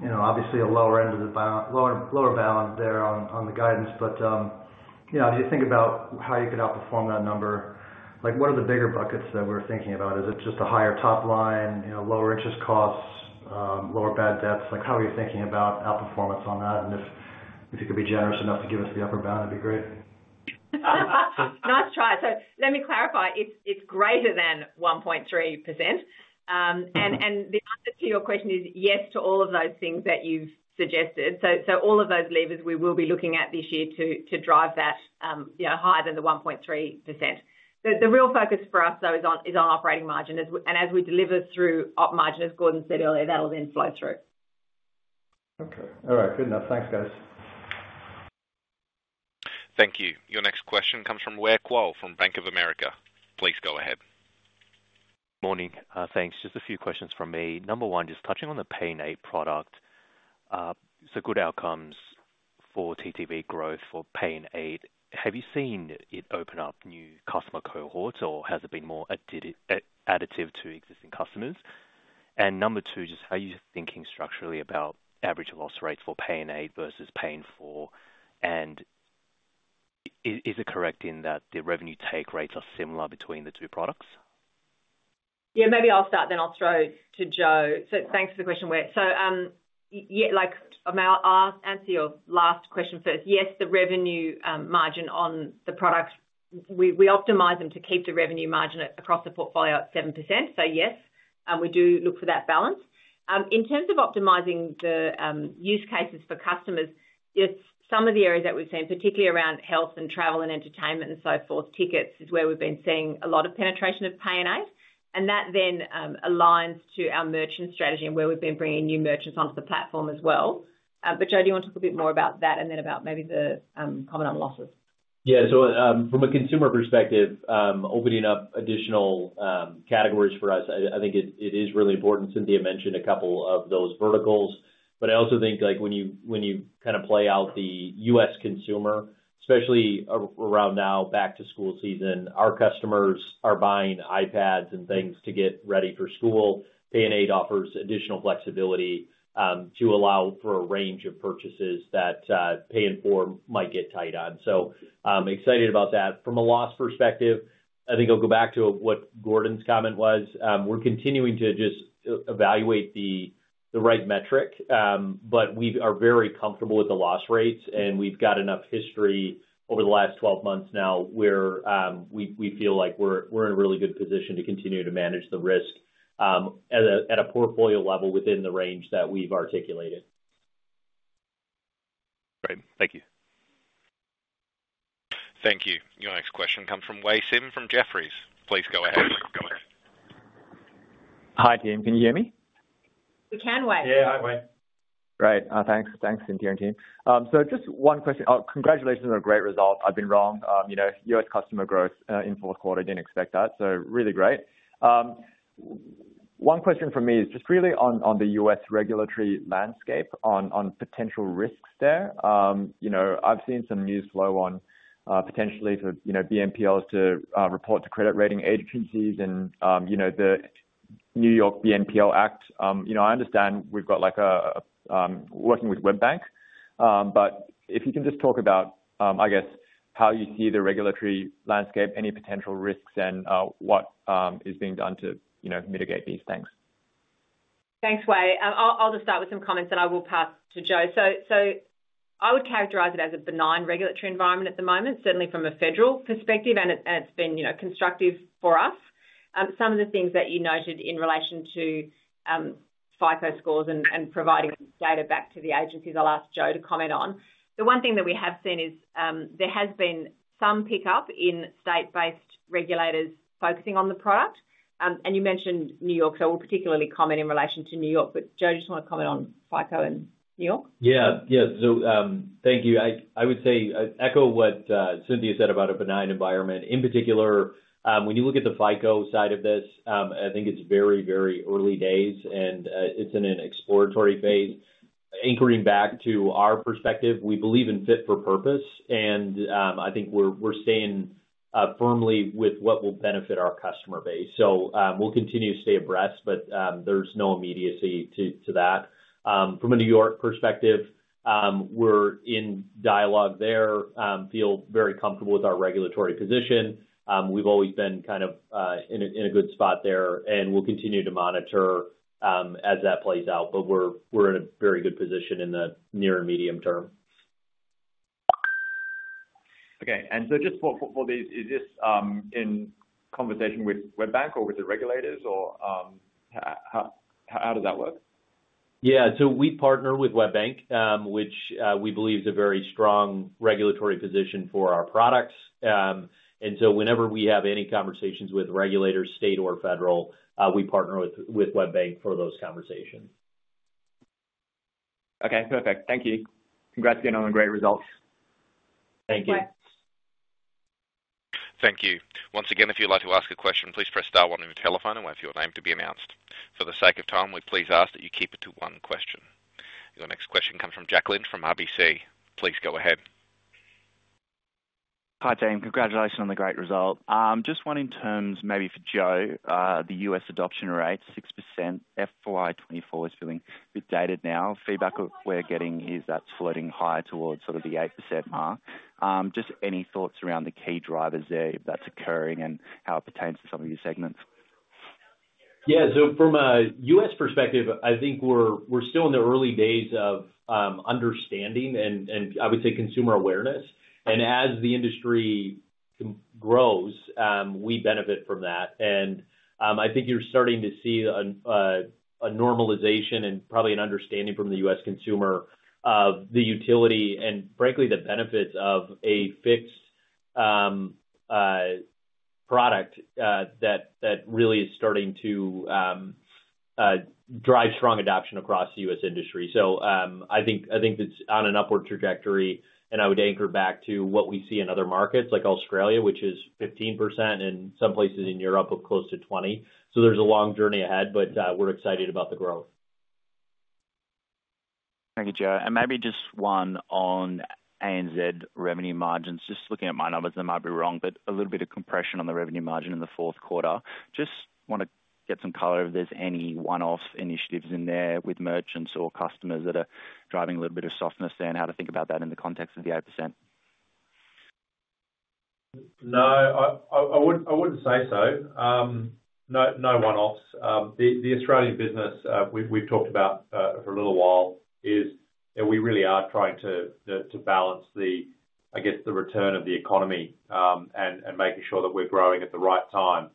obviously a lower end of the lower bound there on the guidance. If you think about how you could outperform that number, what are the bigger buckets that we're thinking about? Is it just a higher top line, lower interest costs, lower bad debts? How are you thinking about outperformance on that? If you could be generous enough to give us the upper bound. That'd be great. Nice try. Let me clarify. It's greater than 1.3% and the answer to your question is yes to all of those things that you've suggested. All of those levers we will be looking at this year to drive that higher than the 1.3%. The real focus for us though is on operating margin. As we deliver through operating margin, as Gordon said earlier, that will then flow through. Okay. All right, good enough. Thanks, guys. Thank you. Your next question comes from Ware Kuo from Bank of America. Please go ahead. Morning. Thanks. Just a few questions from me. Number one, just touching on the Pay-in-8 product. Good outcomes for TTV growth for Pay-in-8. Have you seen it open up new customer cohorts or has it been more additive to existing customers? Number two, just how are you thinking structurally about average loss rates for Pay-in-8 versus Pay-in-4? Is it correct that the revenue take rates are similar between the two products? Yeah, maybe I'll start then I'll throw to Joe. Thanks for the question. So yeah, I'll answer your last question first. Yes, the revenue margin on the products, we optimize them to keep the revenue margin across the portfolio at 7%. Yes, and we do look for that balance in terms of optimizing the use cases for customers. Some of the areas that we've seen, particularly around health and travel and entertainment and so forth, tickets is where we've been seeing a lot of penetration of Pay-in-8 and that then aligns to our merchant strategy and where we've been bringing new merchants onto the platform as well. Joe, do you want to talk a bit more about that and then about maybe the comment on losses? Yeah. From a consumer perspective, opening up additional categories for us, I think it is really important. Cynthia mentioned a couple of those verticals, but I also think when you kind of play out the U.S. consumer, especially around now back to school season, our customers are buying iPads and things to get ready for school. Pay-in-8 offers additional flexibility to allow for a range of purchases that Pay-in-4 might get tight on. Excited about that from a loss perspective. I think I'll go back to what Gordon's comment was. We're continuing to just evaluate the right metric, but we are very comfortable with the loss rates and we've got enough history over the last 12 months now where we feel like we're in a really good position to continue to manage the risk at a portfolio level within the range that we've articulated. Great. Thank you. Thank you. Your next question comes from Wei Sim from Jefferies. Please go ahead. Hi team, can you hear me? We can, Wei. Great, thanks. Thanks, Cynthia and team. Just one question. Congratulations on a great result. I've been wrong, you know, U.S. customer growth in fourth quarter. Didn't expect that. Really great. One question for me is just really on the U.S. regulatory landscape on potential risks there. I've seen some news flow on potentially for BNPLs to report to credit rating agencies and the New York BNPL Act. I understand we've got working with WebBank. If you can just talk about, I guess, how you see the regulatory landscape, any potential risks, and what is being done to mitigate these things. Thanks. I'll just start with some comments that I will pass to Joe. I would characterize it as a benign regulatory environment at the moment, certainly from a federal perspective, and it's been constructive for us. Some of the things that you noted in relation to FICO scores and providing data back to the agencies, I'll ask Joe to comment on. The one thing that we have seen is there has been some pickup in state-based regulators focusing on the product. You mentioned New York. We'll particularly comment in relation to New York. Joe, just want to comment on FICO and New York. Thank you. I would say echo what Cynthia Scott said about a benign environment, in particular when you look at the FICO side of this. I think it's very, very early days and it's in an exploratory phase. Anchoring back to our perspective, we believe in fit for purpose and I think we're seeing firmly with what will benefit our customer base. We'll continue to stay abreast, but there's no immediacy to that from a New York perspective. We're in dialogue there, feel very comfortable with our regulatory position. We've always been kind of in a good spot there and we'll continue to monitor as that plays out. We're in a very good position in the near and medium term. Okay. Just for these, is this in conversation with Webbank or with the regulators, or how does that work? Yeah, we partner with WebBank, which we believe is a very strong regulatory position for our products. Whenever we have any conversations with regulators, state or federal, we partner with WebBank for those conversations. Okay, perfect. Thank you. Congrats again on the great results. Thank you. Thank you. Once again, if you'd like to ask a question, please press Star one on your telephone and wait for your name to be announced. For the sake of time, we please ask that you keep it to one question. Your next question comes from Jacqueline from RBC. Please go ahead. Hi team. Congratulations on the great result. Just one in terms maybe for Joe, the U.S. adoption rate, 6% FY24 is feeling a bit dated now. Feedback what we're getting is that's floating higher towards sort of the 8% mark. Just any thoughts around the key drivers there if that's occurring and how it pertains to some of your segments? Yeah. From a U.S. perspective, I think we're still in the early days of understanding, and I would say consumer awareness, and as the industry grows, we benefit from that. I think you're starting to see a normalization and probably an understanding from the U.S. consumer of the utility and, frankly, the benefits of a fixed product that really is starting to drive strong adoption across the U.S. industry. I think it's on an upward trajectory. I would anchor back to what we see in other markets like Australia, which is 15%, and some places in Europe up close to 20%. There's a long journey ahead, but we're excited about the growth. Thank you, Joe. Maybe just one on ANZ revenue margins. Just looking at my numbers and I might be wrong, but a little bit of compression on the revenue margin in the fourth quarter. I just want to get some color if there's any one-off initiatives in there with merchants or customers that are driving a little bit of softness there, and how to think about that in the context of the 8%. No, I wouldn't say so. No one-offs. The Australian business we've talked about for a little while is we really are trying to balance, I guess, the return of the economy and making sure that we're growing at the right time.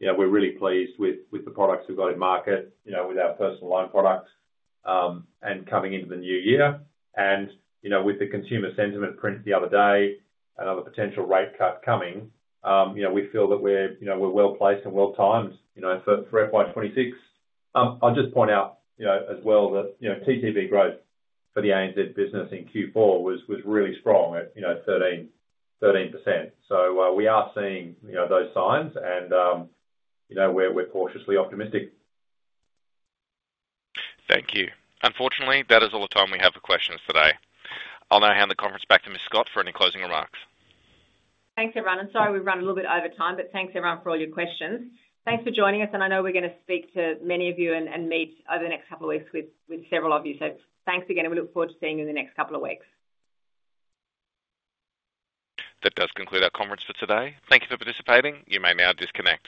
We're really pleased with the products we've got in market with our Personal Loans products and coming into the new year and with the consumer sentiment print the other day, another potential rate cut coming. We feel that we're well placed and well timed for FY26. I'll just point out as well that TTV growth for the ANZ business in Q4 was really strong at 13%. We are seeing those signs and we're cautiously optimistic. Thank you. Unfortunately, that is all the time we have for questions today. I'll now hand the conference back to Ms. Scott for any closing remarks. Thanks everyone. I'm sorry, we've run a little bit over time. Thanks everyone for all your questions. Thanks for joining us. I know we're going to speak to many of you and meet over the next couple of weeks with several of you. Thanks again and we look forward to seeing you in the next couple of weeks. That does conclude our conference for today. Thank you for participating. You may now disconnect.